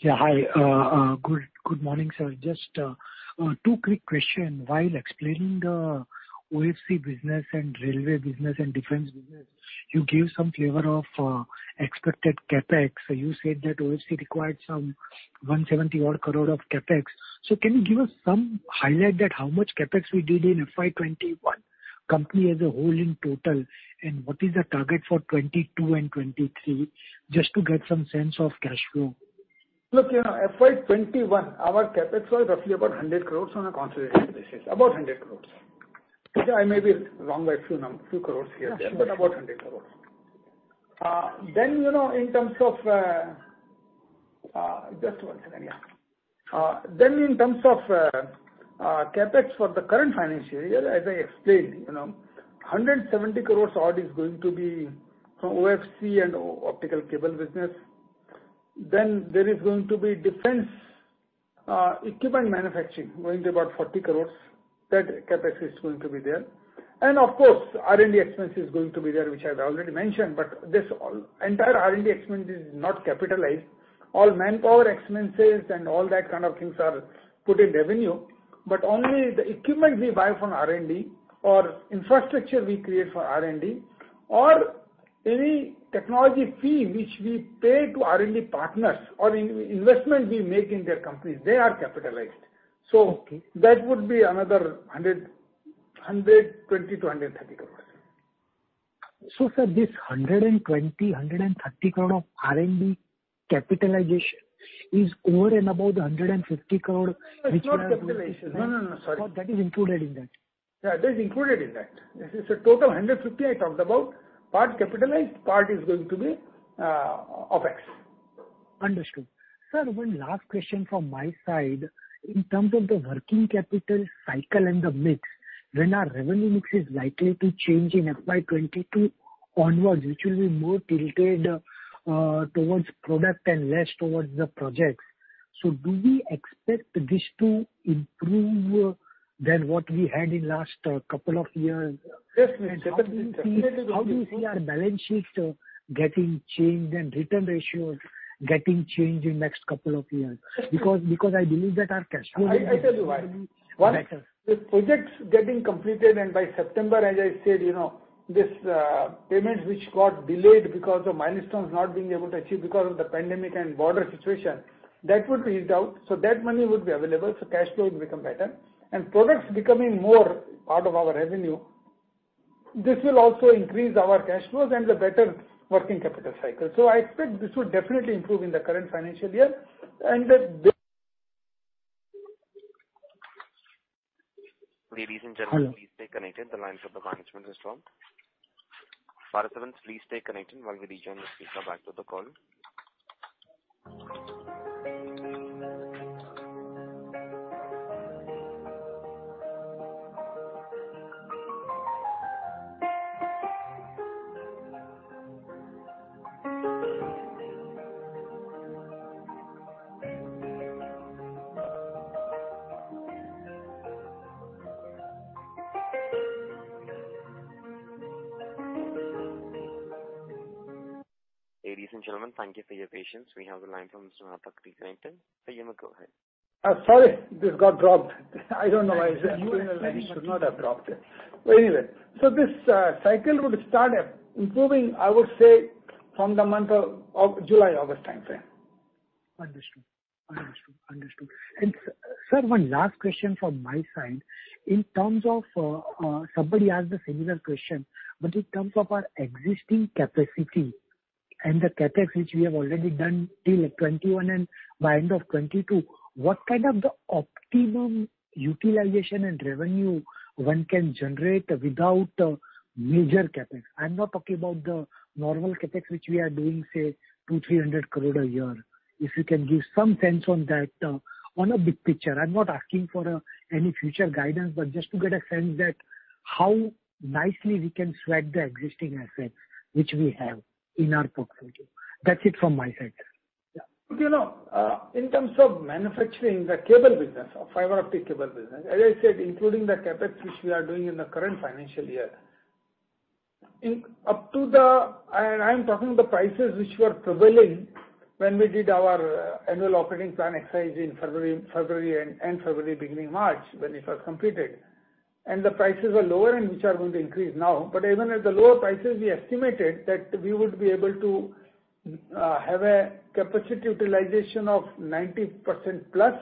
Yeah. Hi. Good morning, sir. Just two quick question. While explaining the OFC business and railway business and defense business, you gave some flavor of expected CapEx. You said that OFC required some 170 odd crore of CapEx. Can you give us some highlight that how much CapEx we did in FY 2021 company as a whole in total, and what is the target for 2022 and 2023, just to get some sense of cash flow? FY 2021, our CapEx was roughly about 100 crores on a consolidated basis, about 100 crores. I may be wrong by a few crores here or there. Yeah, sure. About 100 crore. Just one second, yeah. In terms of CapEx for the current financial year, as I explained, 170 crore odd is going to be from OFC and optical cable business. There is going to be defense equipment manufacturing, going to about 40 crore. That CapEx is going to be there. Of course, R&D expense is going to be there, which I've already mentioned. This entire R&D expense is not capitalized. All manpower expenses and all that kind of things are put in revenue, but only the equipment we buy from R&D or infrastructure we create for R&D or any technology fee which we pay to R&D partners or investment we make in their companies, they are capitalized. Okay. That would be another 120 crores-130 crores. Sir, this 120 crore, 130 crore of R&D capitalization is over and above the 150 crore which you are going to invest? No, it's not capitalization. No. That is included in that. Yeah, that's included in that. Total 150 I talked about, part capitalized, part is going to be OpEx. Understood. Sir, one last question from my side. In terms of the working capital cycle and the mix, when our revenue mix is likely to change in FY 2022 onwards, which will be more tilted towards product and less towards the projects. Do we expect this to improve than what we had in last couple of years? Yes. How do you see our balance sheet getting changed and return ratio getting changed in next couple of years? I believe that our cash flow is going to be better. I tell you why. One, the projects getting completed, and by September, as I said, these payments which got delayed because of milestones not being able to achieve because of the pandemic and border situation, that would be eased out. That money would be available, so cash flow will become better. Products becoming more part of our revenue, this will also increase our cash flows and the better working capital cycle. I expect this would definitely improve in the current financial year and that this. Ladies and gentlemen. Hello. Please stay connected. The lines of the management is strong. Participants, please stay connected while we rejoin the speaker back to the call. Ladies and gentlemen, thank you for your patience. We have the line from Mr. Nahata connected. Sir, you may go ahead. Sorry, this got dropped. I don't know why this happened. You were very much frozen. It should not have dropped it. This cycle would start improving, I would say, from the month of July, August timeframe. Understood. Sir, one last question from my side. Somebody asked a similar question, but in terms of our existing capacity and the CapEx which we have already done till 2021 and by end of 2022, what kind of the optimum utilization and revenue one can generate without major CapEx? I am not talking about the normal CapEx which we are doing, say, 200 crore, 300 crore a year. If you can give some sense on that on a big picture. I am not asking for any future guidance, but just to get a sense that how nicely we can sweat the existing asset which we have in our portfolio. That is it from my side, sir. Look, in terms of manufacturing the cable business or fiber optic cable business, as I said, including the CapEx, which we are doing in the current financial year. I'm talking the prices which were prevailing when we did our annual operating plan exercise in February beginning March, when it was completed. The prices were lower and which are going to increase now. Even at the lower prices, we estimated that we would be able to have a capacity utilization of 90%+,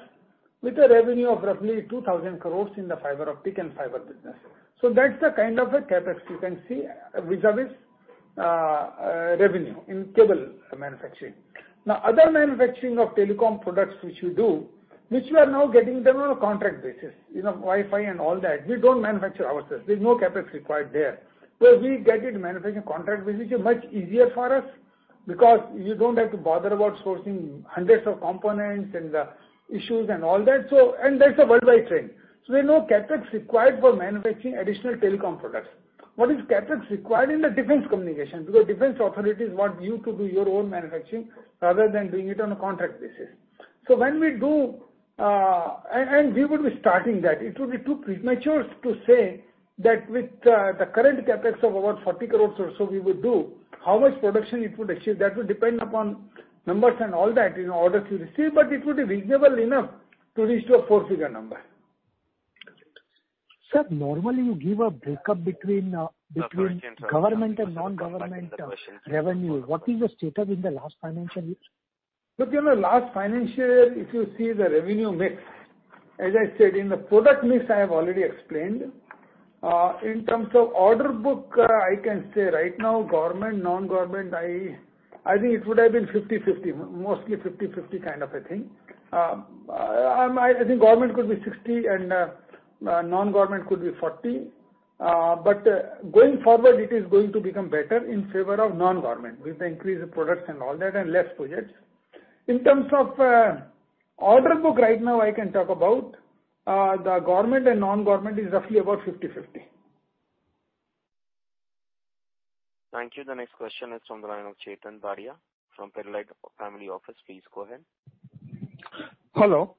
with a revenue of roughly 2,000 crores in the fiber optic and fiber business. That's the kind of a CapEx you can see vis-à-vis revenue in cable manufacturing. Now, other manufacturing of telecom products which we do, which we are now getting them on a contract basis, WiFi and all that, we don't manufacture ourselves. There's no CapEx required there. We get it manufacturing contract, which is much easier for us because you don't have to bother about sourcing hundreds of components and the issues and all that. That's a worldwide trend. There are no CapEx required for manufacturing additional telecom products. What is CapEx required in the defense communication, because defense authorities want you to do your own manufacturing rather than doing it on a contract basis. We would be starting that. It would be too premature to say that with the current CapEx of about 40 crore or so we would do, how much production it would achieve. That will depend upon numbers and all that, order to receive, but it would be reasonable enough to reach to a four-figure number. Sir, normally you give a breakup between government and non-government revenue. What is the status in the last financial year? In the last financial year, if you see the revenue mix, as I said, in the product mix, I have already explained. In terms of order book, I can say right now, government, non-government, I think it would have been 50/50. Mostly 50/50 kind of a thing. I think government could be 60 and non-government could be 40. Going forward it is going to become better in favor of non-government, with the increase of products and all that, and less projects. In terms of order book right now I can talk about, the government and non-government is roughly about 50/50. Thank you. The next question is from the line of Chetan Vadia from Pidilite Family Office. Please go ahead. Hello.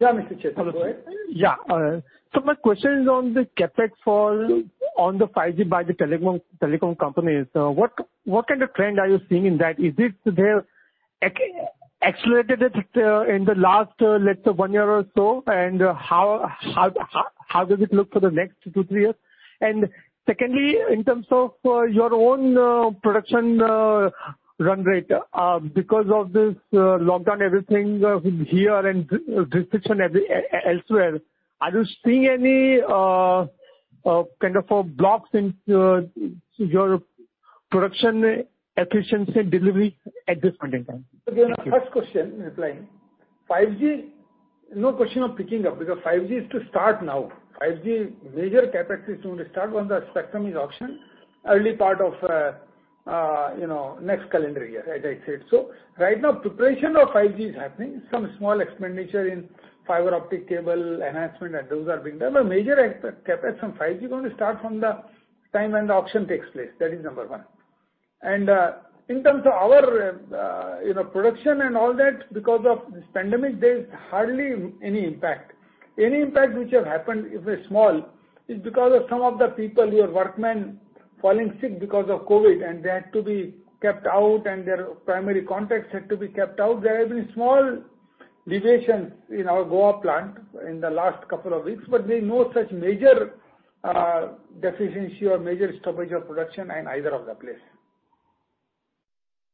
Yeah, Mr. Chetan, go ahead. Hello, sir. My question is on the CapEx fall on the 5G by the telecom companies. What kind of trend are you seeing in that? Is it they accelerated it in the last, let's say, one year or so, how does it look for the next two, three years? Secondly, in terms of your own production run rate, because of this lockdown, everything here and restriction elsewhere, are you seeing any kind of blocks in your production efficiency delivery at this point in time? Thank you. Your first question, replying. 5G, no question of picking up because 5G is to start now. 5G major CapEx is going to start when the spectrum is auctioned early part of next calendar year, as I said. Right now preparation of 5G is happening. Some small expenditure in fiber optic cable enhancement and those are being done. Major CapEx on 5G going to start from the time when the auction takes place. That is number one. In terms of our production and all that, because of this pandemic, there's hardly any impact. Any impact which has happened is very small, is because of some of the people, your workmen falling sick because of COVID-19 and they had to be kept out, and their primary contacts had to be kept out. There have been small deviations in our Goa plant in the last couple of weeks, but there's no such major deficiency or major stoppage of production in either of the place.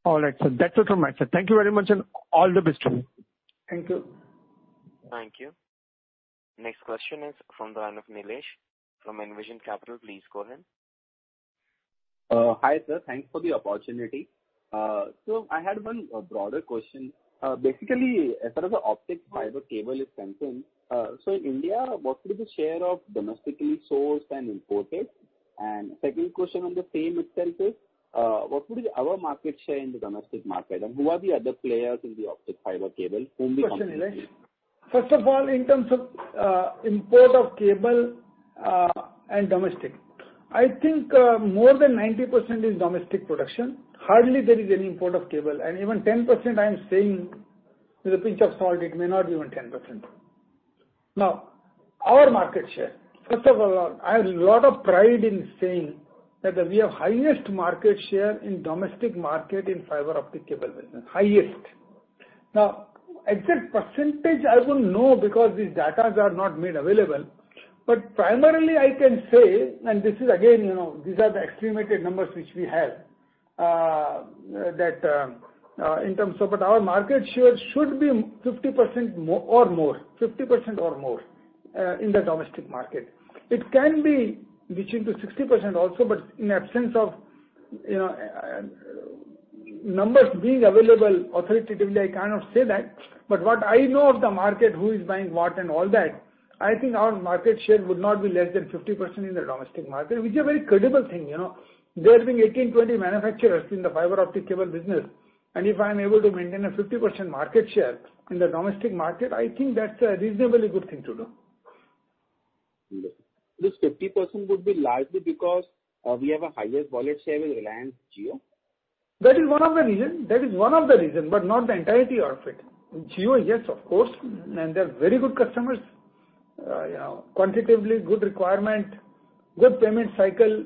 All right, sir. That's it from my side. Thank you very much, and all the best to you. Thank you. Thank you. Next question is from the line of Nilesh from Envision Capital. Please go ahead. Hi, sir. Thanks for the opportunity. I had one broader question. As far as the optic fiber cable is concerned, in India, what could be the share of domestically sourced and imported? Second question on the same itself is, what would be our market share in the domestic market, and who are the other players in the optic fiber cable, whom we compete with? Question, Nilesh. First of all, in terms of import of cable and domestic, I think more than 90% is domestic production. Hardly there is any import of cable, and even 10% I am saying with a pinch of salt, it may not be even 10%. Now, our market share. First of all, I have a lot of pride in saying that we have highest market share in domestic market in fiber optic cable business. Highest. Now, exact percentage I wouldn't know because these datas are not made available, but primarily I can say, and this is again, these are the estimated numbers which we have, but our market share should be 50% or more. 50% or more in the domestic market. It can be reaching to 60% also, but in absence of numbers being available authoritatively, I cannot say that. What I know of the market, who is buying what and all that, I think our market share would not be less than 50% in the domestic market, which is a very credible thing. There being 18-20 manufacturers in the fiber optic cable business, and if I'm able to maintain a 50% market share in the domestic market, I think that's a reasonably good thing to do. Understood. This 50% would be largely because we have a higher volume share with Reliance Jio? That is one of the reason, but not the entirety of it. Jio, yes, of course, and they're very good customers. Quantitatively good requirement, good payment cycle.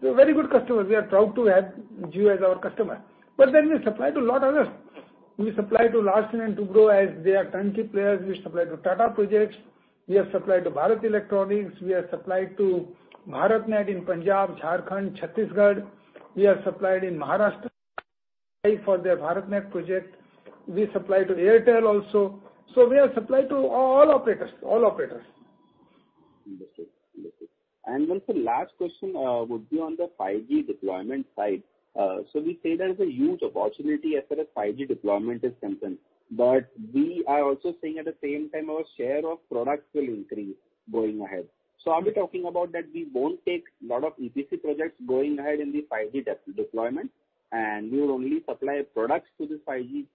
They're very good customers. We are proud to have Jio as our customer. We supply to a lot others. We supply to Larsen & Toubro as they are turnkey players. We supply to Tata Projects. We have supplied to Bharat Electronics. We have supplied to BharatNet in Punjab, Jharkhand, Chhattisgarh. We have supplied in Maharashtra for their BharatNet project. We supply to Airtel also. We have supplied to all operators. Understood. Sir, last question would be on the 5G deployment side. We say there is a huge opportunity as far as 5G deployment is concerned, but we are also saying at the same time, our share of products will increase going ahead. Are we talking about that we won't take lot of EPC projects going ahead in the 5G deployment, and we will only supply products to the 5G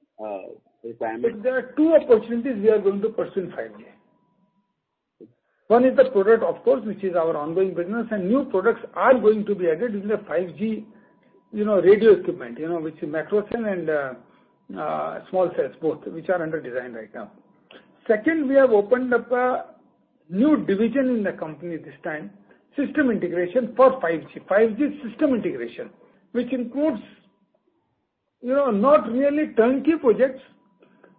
requirement? There are two opportunities we are going to pursue in 5G. One is the product, of course, which is our ongoing business. New products are going to be added in the 5G radio equipment, which is macro cell and small cells, both, which are under design right now. Second, we have opened up a new division in the company this time, system integration for 5G. 5G system integration, which includes not really turnkey projects.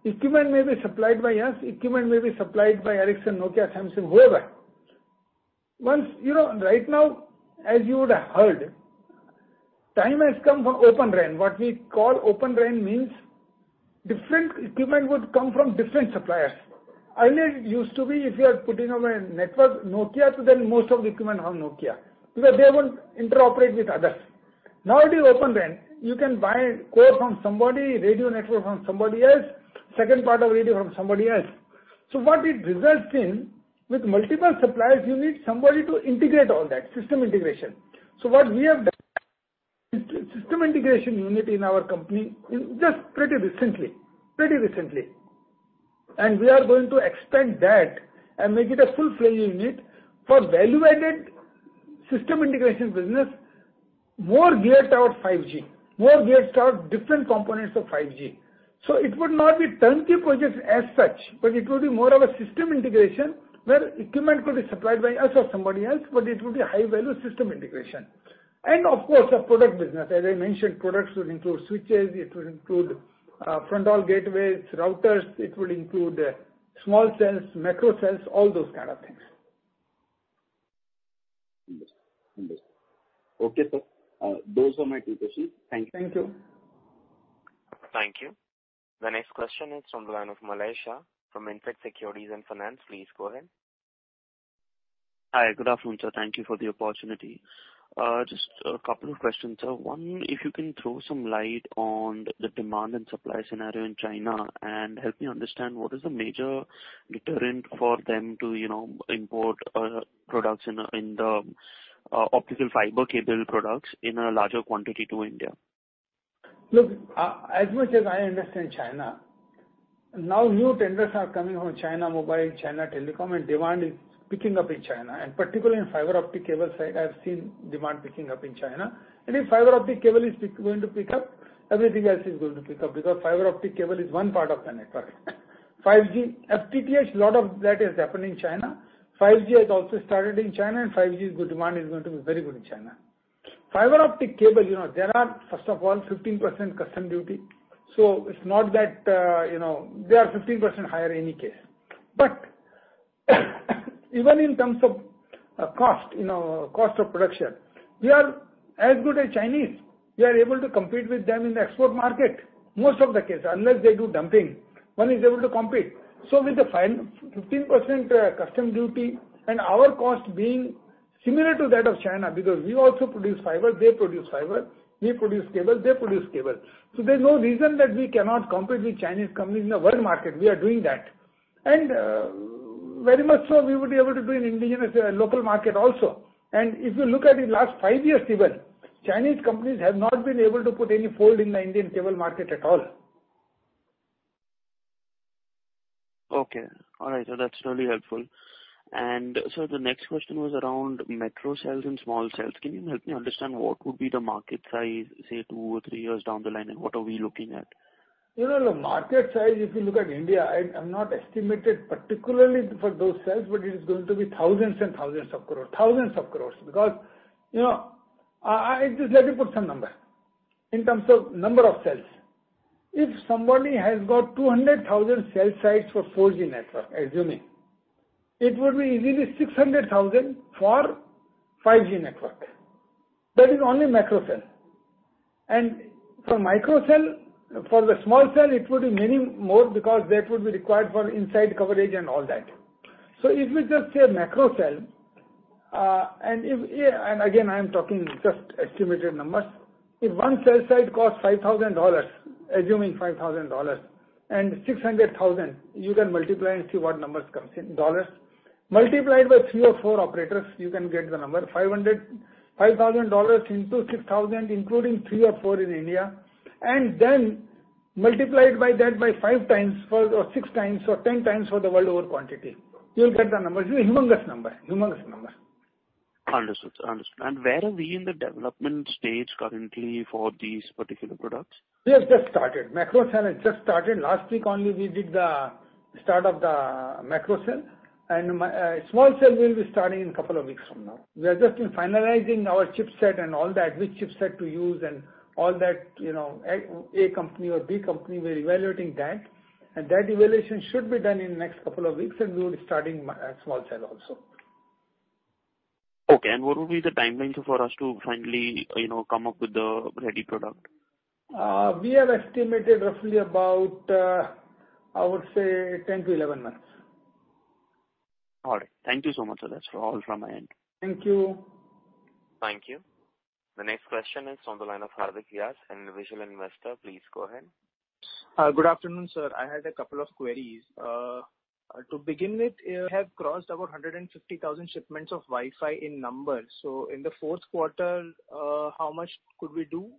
Equipment may be supplied by us, equipment may be supplied by Ericsson, Nokia, Samsung, whoever. Right now, as you would have heard, time has come for Open RAN. What we call Open RAN means different equipment would come from different suppliers. Earlier it used to be, if you are putting up a network, Nokia, most of the equipment are Nokia, because they won't interoperate with others. Now it is Open RAN. You can buy core from somebody, radio network from somebody else, second part of radio from somebody else. What it results in, with multiple suppliers, you need somebody to integrate all that, system integration. What we have done, system integration unit in our company just pretty recently. We are going to expand that and make it a full-fledged unit for value-added system integration business, more geared toward 5G, more geared toward different components of 5G. It would not be turnkey projects as such, but it would be more of a system integration where equipment could be supplied by us or somebody else, but it would be high-value system integration. Of course, a product business. As I mentioned, products would include switches, it would include fronthaul gateways, routers. It would include small cells, macro cells, all those kind of things. Understood. Okay, sir. Those are my three questions. Thank you. Thank you. Thank you. The next question is from the line of [Malai Shah] from Intec Securities and Finance. Please go ahead. Hi. Good afternoon, sir. Thank you for the opportunity. Just a couple of questions, sir. One, if you can throw some light on the demand and supply scenario in China and help me understand what is the major deterrent for them to import products in the optical fiber cable products in a larger quantity to India? Look, as much as I understand China, now new tenders are coming from China Mobile, China Telecom, and demand is picking up in China. Particularly in fiber optic cables, I have seen demand picking up in China. If fiber optic cable is going to pick up, everything else is going to pick up, because fiber optic cable is one part of the network. 5G, FTTH, lot of that is happening in China. 5G has also started in China, and 5G demand is going to be very good in China. Fiber optic cable, there are, first of all, 15% custom duty, so it's not that they are 15% higher any case. Even in terms of cost of production, we are as good as Chinese. We are able to compete with them in the export market. Most of the case. Unless they do dumping, one is able to compete. With the 15% custom duty and our cost being similar to that of China, because we also produce fiber, they produce fiber, we produce cable, they produce cable. There's no reason that we cannot compete with Chinese companies in the world market. We are doing that. Very much so we would be able to do in indigenous local market also. If you look at the last five years even, Chinese companies have not been able to put any fold in the Indian cable market at all. Okay. All right, sir, that's really helpful. Sir, the next question was around macro cells and small cells. Can you help me understand what would be the market size, say two or three years down the line, and what are we looking at? Market size, if you look at India, I've not estimated particularly for those cells, but it is going to be thousands and thousands of crores. Thousands of crores. Just let me put some number, in terms of number of cells. If somebody has got 200,000 cell sites for 4G network, assuming, it would be easily 600,000 for 5G network. That is only macro cell. For macro cell, for the small cell, it would be many more because that would be required for inside coverage and all that. If we just say macro cell, and again, I am talking just estimated numbers. If one cell site costs $5,000, assuming $5,000, and 600,000, you can multiply and see what numbers comes in dollars. Multiply it by three or four operators, you can get the number, $5,000 into $6,000, including three or four in India. Multiply that by 5x, or 6x, or 10 times for the world over quantity. You'll get the numbers. It's a humongous number. Understood. Where are we in the development stage currently for these particular products? We have just started. macro cell has just started. Last week only, we did the start of the macro cell, and small cell will be starting in a couple of weeks from now. We are just finalizing our chipset and all that, which chipset to use and all that. A company or B company, we're evaluating that, and that evaluation should be done in the next couple of weeks, and we will be starting small cell also. Okay. What would be the timeline for us to finally come up with the ready product? We have estimated roughly about, I would say, 10-11 months. All right. Thank you so much, sir. That's all from my end. Thank you. Thank you. The next question is on the line of [Harvick Yas] an individual investor. Please go ahead. Good afternoon, sir. I had a couple of queries. To begin with, you have crossed about 150,000 shipments of WiFi in numbers. In the fourth quarter, how much could we do?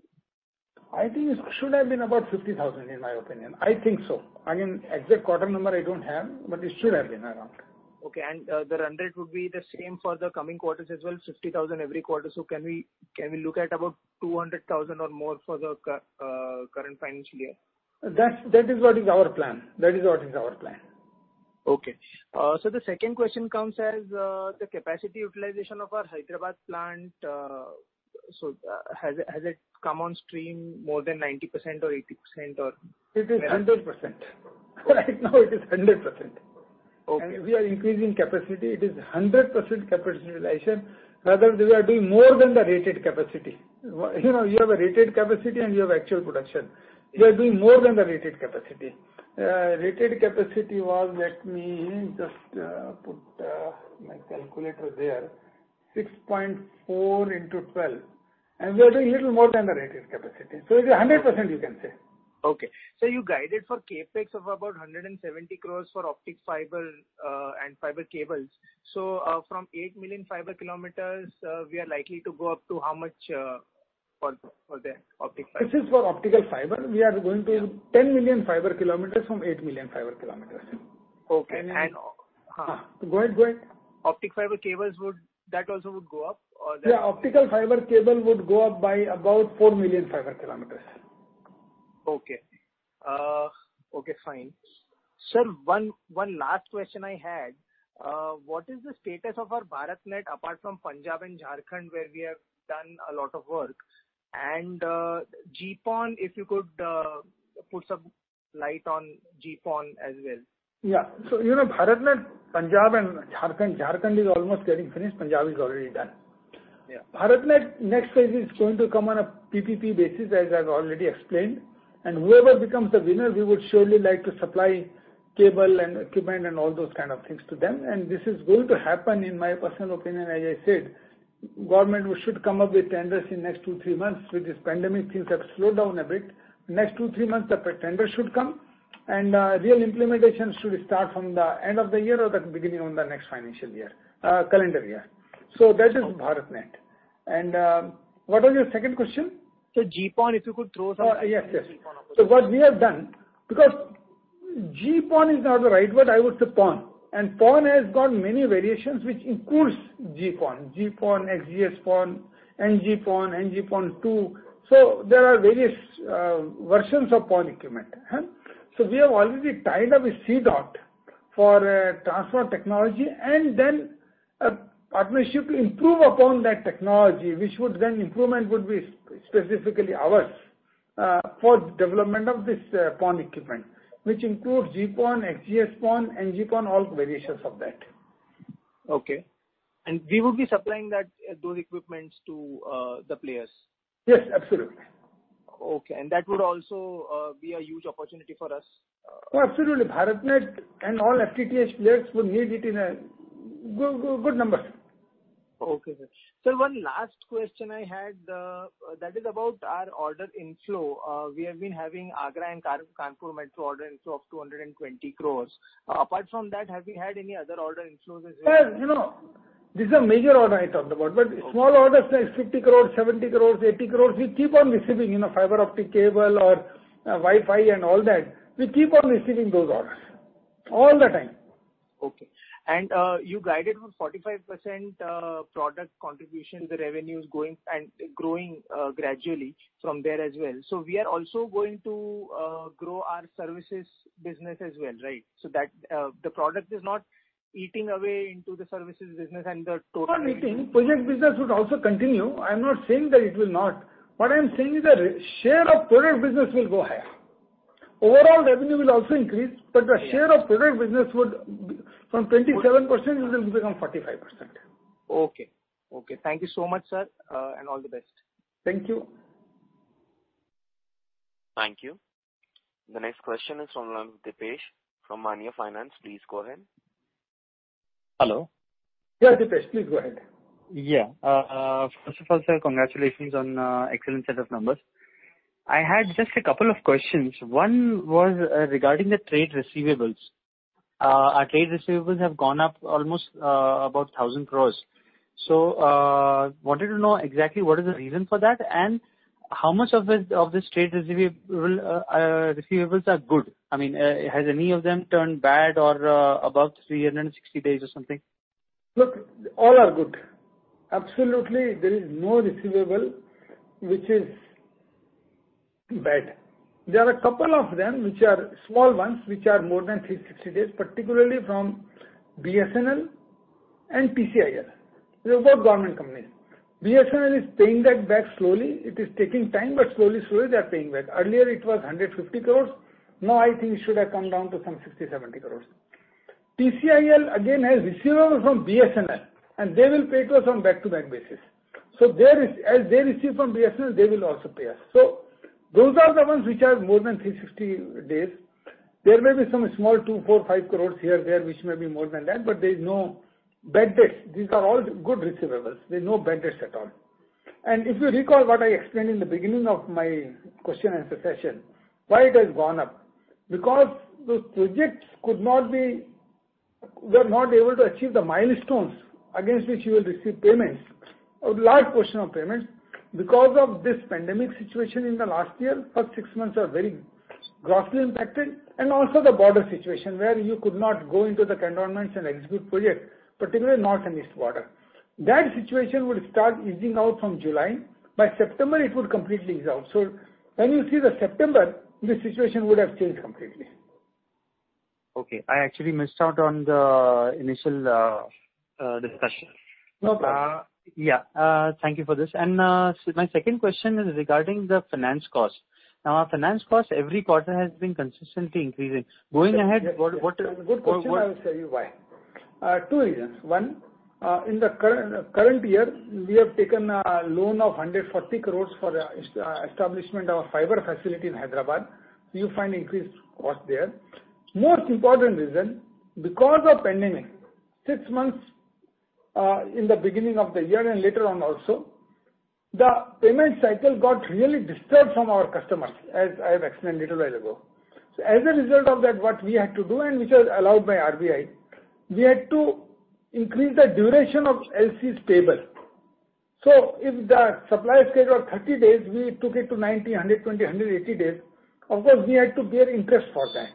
I think it should have been about 50,000, in my opinion. I think so. Exact quarter number I don't have, but it should have been around there. Okay. The run rate would be the same for the coming quarters as well, 50,000 every quarter. Can we look at about 200,000 or more for the current financial year? That is what is our plan. Okay. Sir, the second question comes as the capacity utilization of our Hyderabad plant. Has it come on stream more than 90% or 80%? It is 100%. Right now it is 100%. Okay. We are increasing capacity. It is 100% capacity utilization. Rather, we are doing more than the rated capacity. You have a rated capacity and you have actual production. We are doing more than the rated capacity. Rated capacity was, let me just put my calculator there, 6.4 into 12. We are doing a little more than the rated capacity. It's 100%, you can say. Okay. Sir, you guided for CapEx of about 170 crore for optic fiber and fiber cables. From 8 million fiber kilometers, we are likely to go up to how much for the optic fiber? This is for optical fiber. We are going to 10 million fiber kilometers from 8 million fiber kilometers. Okay. Go ahead. Optic Fiber Cables, that also would go up? Yeah, optical fiber cable would go up by about 4 million fiber kilometers. Okay. Fine. Sir, one last question I had. What is the status of our BharatNet apart from Punjab and Jharkhand, where we have done a lot of work? GPON, if you could put some light on GPON as well. Yeah. BharatNet, Punjab and Jharkhand. Jharkhand is almost getting finished. Punjab is already done. Yeah. BharatNet next phase is going to come on a PPP basis, as I've already explained. Whoever becomes the winner, we would surely like to supply cable and equipment and all those kind of things to them. This is going to happen, in my personal opinion, as I said, government should come up with tenders in the next two, three months. With this pandemic, things have slowed down a bit. Next two, three months, the tender should come, and real implementation should start from the end of the year or the beginning of the next financial year, calendar year. That is BharatNet. What was your second question? Sir, GPON, if you could throw some light on it. Oh, yes. On GPON. What we have done, because GPON is not the right word, I would say PON. PON has got many variations which includes GPON. GPON, XGS-PON, NG-PON, NG-PON2. There are various versions of PON equipment. We have already tied up with C-DOT for transfer of technology and then a partnership to improve upon that technology, which would then, improvement would be specifically ours, for development of this PON equipment, which includes GPON, XGS-PON, NG-PON, all variations of that. Okay. We would be supplying those equipment to the players? Yes, absolutely. Okay. That would also be a huge opportunity for us? Absolutely. BharatNet and all FTTH players would need it in good numbers. Okay, sir. Sir, one last question I had, that is about our order inflow. We have been having Agra and Kanpur Metro order inflow of 220 crores. Apart from that, have we had any other order inflows as well? Yes. These are major orders I talked about, but small orders like 50 crores, 70 crores, 80 crores, we keep on receiving. Fiber optic cable or WiFi and all that. We keep on receiving those orders all the time. Okay. You guided for 45% product contribution to the revenues growing gradually from there as well. We are also going to grow our services business as well, right? The product is not eating away into the services business. Not eating. Project business would also continue. I'm not saying that it will not. What I'm saying is the share of product business will go higher. Overall revenue will also increase, but the share of product business would, from 27%, will become 45%. Okay. Thank you so much, sir. All the best. Thank you. Thank you. The next question is from Deepesh from Maanya Finance. Please go ahead. Hello. Yeah, Deepesh, please go ahead. First of all, sir, congratulations on excellent set of numbers. I had just a couple of questions. One was regarding the trade receivables. Our trade receivables have gone up almost about 1,000 crore. Wanted to know exactly what is the reason for that, and how much of this trade receivables are good. Has any of them turned bad or above 360 days or something? Look, all are good. Absolutely, there is no receivable which is bad. There are a couple of them, which are small ones, which are more than 360 days, particularly from BSNL and TCIL. These are both government companies. BSNL is paying that back slowly. It is taking time, but slowly they are paying back. Earlier it was 150 crores. Now I think it should have come down to some 60, 70 crores. TCIL again, has receivable from BSNL, and they will pay to us on back-to-back basis. As they receive from BSNL, they will also pay us. Those are the ones which are more than 360 days. There may be some small INR two, four, five crores here and there, which may be more than that, but there's no bad debts. These are all good receivables. There are no bad debts at all. If you recall what I explained in the beginning of my question and answer session, why it has gone up. Because those projects were not able to achieve the milestones against which you will receive payments, or large portion of payments, because of this pandemic situation in the last year. First six months are very grossly impacted. Also the border situation, where you could not go into the cantonments and execute projects, particularly north and east border. That situation would start easing out from July. By September, it would completely ease out. When you see the September, the situation would have changed completely. Okay, I actually missed out on the initial discussion. No problem. Yeah. Thank you for this. My second question is regarding the finance cost. Now, our finance cost every quarter has been consistently increasing. Going ahead, what. Yes. Good question. I will tell you why. Two reasons. One, in the current year, we have taken a loan of 140 crore for the establishment of fiber facility in Hyderabad. You find increased cost there. Most important reason, because of pandemic, six months in the beginning of the year and later on also, the payment cycle got really disturbed from our customers, as I have explained little while ago. As a result of that, what we had to do, and which was allowed by RBI, we had to increase the duration of LC stabled. If the supply schedule of 30 days, we took it to 90, 120, 180 days, of course, we had to bear interest for that.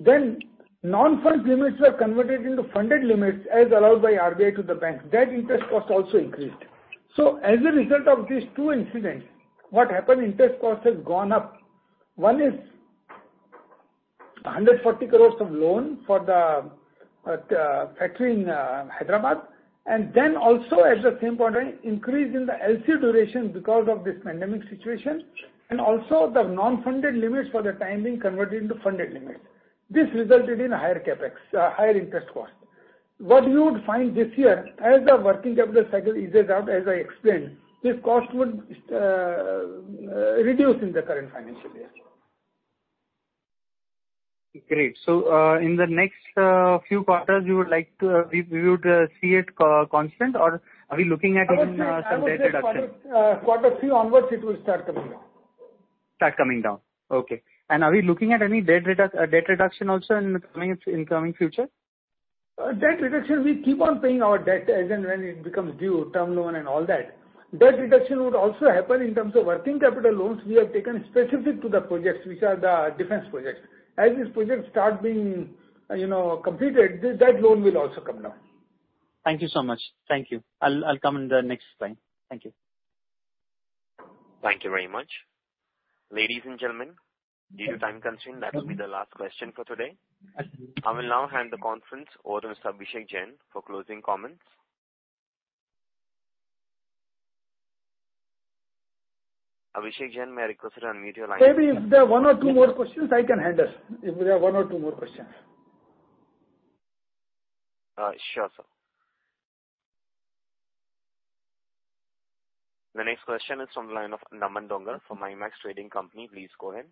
Then non-fund limits were converted into funded limits as allowed by RBI to the banks. That interest cost also increased. As a result of these two incidents, what happened, interest cost has gone up. One is 140 crores of loan for the factory in Hyderabad. Then also as the same point in time, increase in the LC duration because of this pandemic situation, and also the non-funded limits for the time being converted into funded limits. This resulted in higher CapEx higher interest cost. What you would find this year, as the working capital cycle eases out, as I explained, this cost would reduce in the current financial year. Great. In the next few quarters, we would see it constant or are we looking at any substantial reduction? I would say quarter three onwards it will start coming down. Start coming down. Okay. Are we looking at any debt reduction also in coming future? Debt reduction, we keep on paying our debt as and when it becomes due, term loan and all that. Debt reduction would also happen in terms of working capital loans we have taken specific to the projects, which are the defense projects. As these projects start being completed, that loan will also come down. Thank you so much. Thank you. I'll come in the next time. Thank you. Thank you very much. Ladies and gentlemen, due to time constraint, that will be the last question for today. I will now hand the conference over to Mr. Abhishek Jain for closing comments. Abhishek Jain, may I request you to unmute your line. Maybe if there are one or two more questions, I can handle. If there are one or two more questions. Sure, sir. The next question is from the line of [Naman Dongre] from Imax Trading Company. Please go ahead.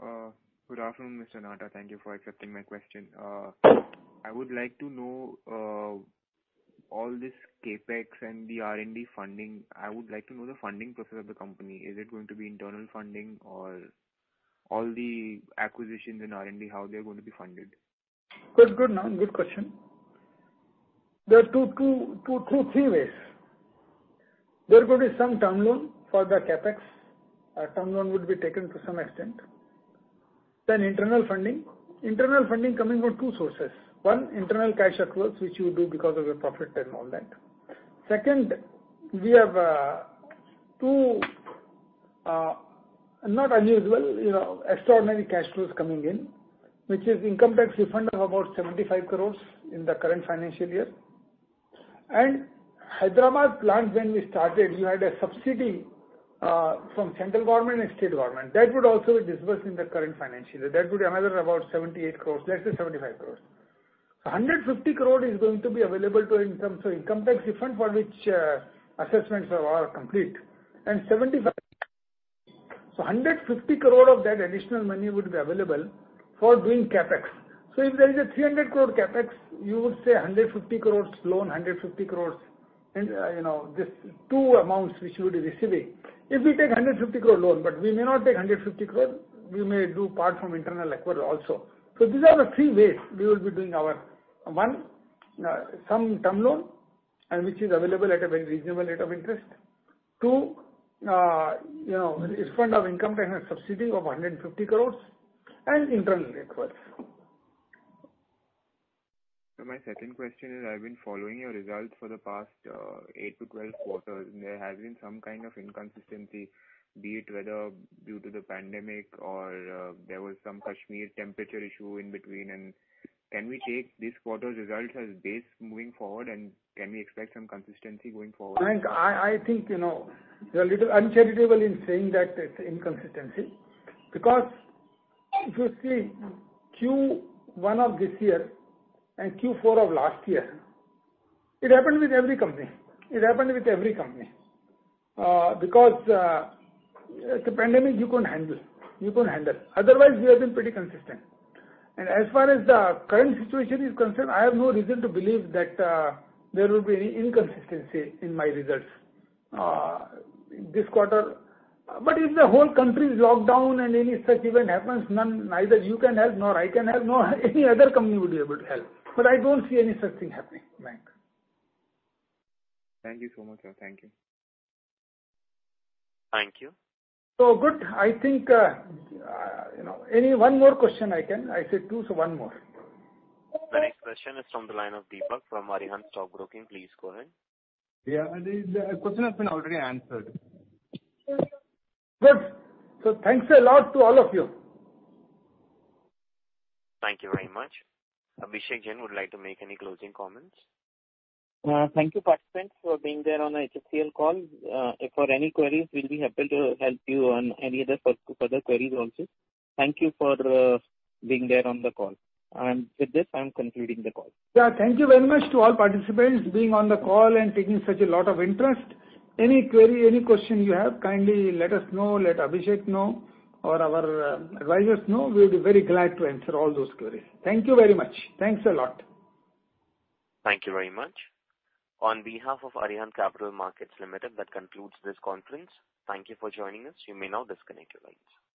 Good afternoon, Mr. Nahata. Thank you for accepting my question. I would like to know all this CapEx and the R&D funding. I would like to know the funding process of the company. Is it going to be internal funding, or all the acquisitions in R&D, how they're going to be funded? Good, Naman, good question. There are two, three ways. There could be some term loan for the CapEx. A term loan would be taken to some extent. Internal funding. Internal funding coming from two sources. One, internal cash accruals, which you do because of your profit and all that. Second, we have two, not unusual, extraordinary cash flows coming in, which is income tax refund of about 75 crore in the current financial year. Hyderabad plant, when we started, we had a subsidy from central government and state government. That would also disburse in the current financial year. That would be another about 78 crore, let's say 75 crore. 150 crore is going to be available to us in terms of income tax refund for which assessments are complete, and 75 crore. 150 crore of that additional money would be available for doing CapEx. If there is an 300 crore CapEx, you would say 150 crore loan, 150 crore. These two amounts which we would be receiving. If we take 150 crore loan, but we may not take 150 crore, we may do part from internal equity also. These are the three ways we will be doing our one, some term loan, and which is available at a very reasonable rate of interest. Two, this fund of income tax and subsidy of 150 crore and internal accruals. My second question is, I've been following your results for the past 8-12 quarters, and there has been some kind of inconsistency, be it whether due to the pandemic or there was some Kashmir temperature issue in between. Can we take this quarter's results as base moving forward, and can we expect some consistency going forward? Frank, I think, you're a little uncharitable in saying that it's inconsistency because if you see Q1 of this year and Q4 of last year, it happened with every company. Because the pandemic, you couldn't handle. Otherwise, we have been pretty consistent. As far as the current situation is concerned, I have no reason to believe that there will be any inconsistency in my results this quarter. If the whole country is locked down and any such event happens, neither you can help, nor I can help, nor any other company would be able to help. I don't see any such thing happening, frank. Thank you so much, sir. Thank you. Thank you. Good. I think any one more question I can. I said two, so one more. The next question is from the line of Dipak from Arihant Stock Broking. Please go ahead. Yeah. The question has been already answered. Good. Thanks a lot to all of you. Thank you very much. Abhishek Jain would like to make any closing comments? Thank you, participants, for being there on the HFCL call. For any queries, we'll be happy to help you on any other further queries also. Thank you for being there on the call. With this, I'm concluding the call. Yeah. Thank you very much to all participants being on the call and taking such a lot of interest. Any query, any question you have, kindly let us know, let Abhishek know, or our advisors know. We'll be very glad to answer all those queries. Thank you very much. Thanks a lot. Thank you very much. On behalf of Arihant Capital Markets Limited, that concludes this conference. Thank you for joining us. You may now disconnect your lines.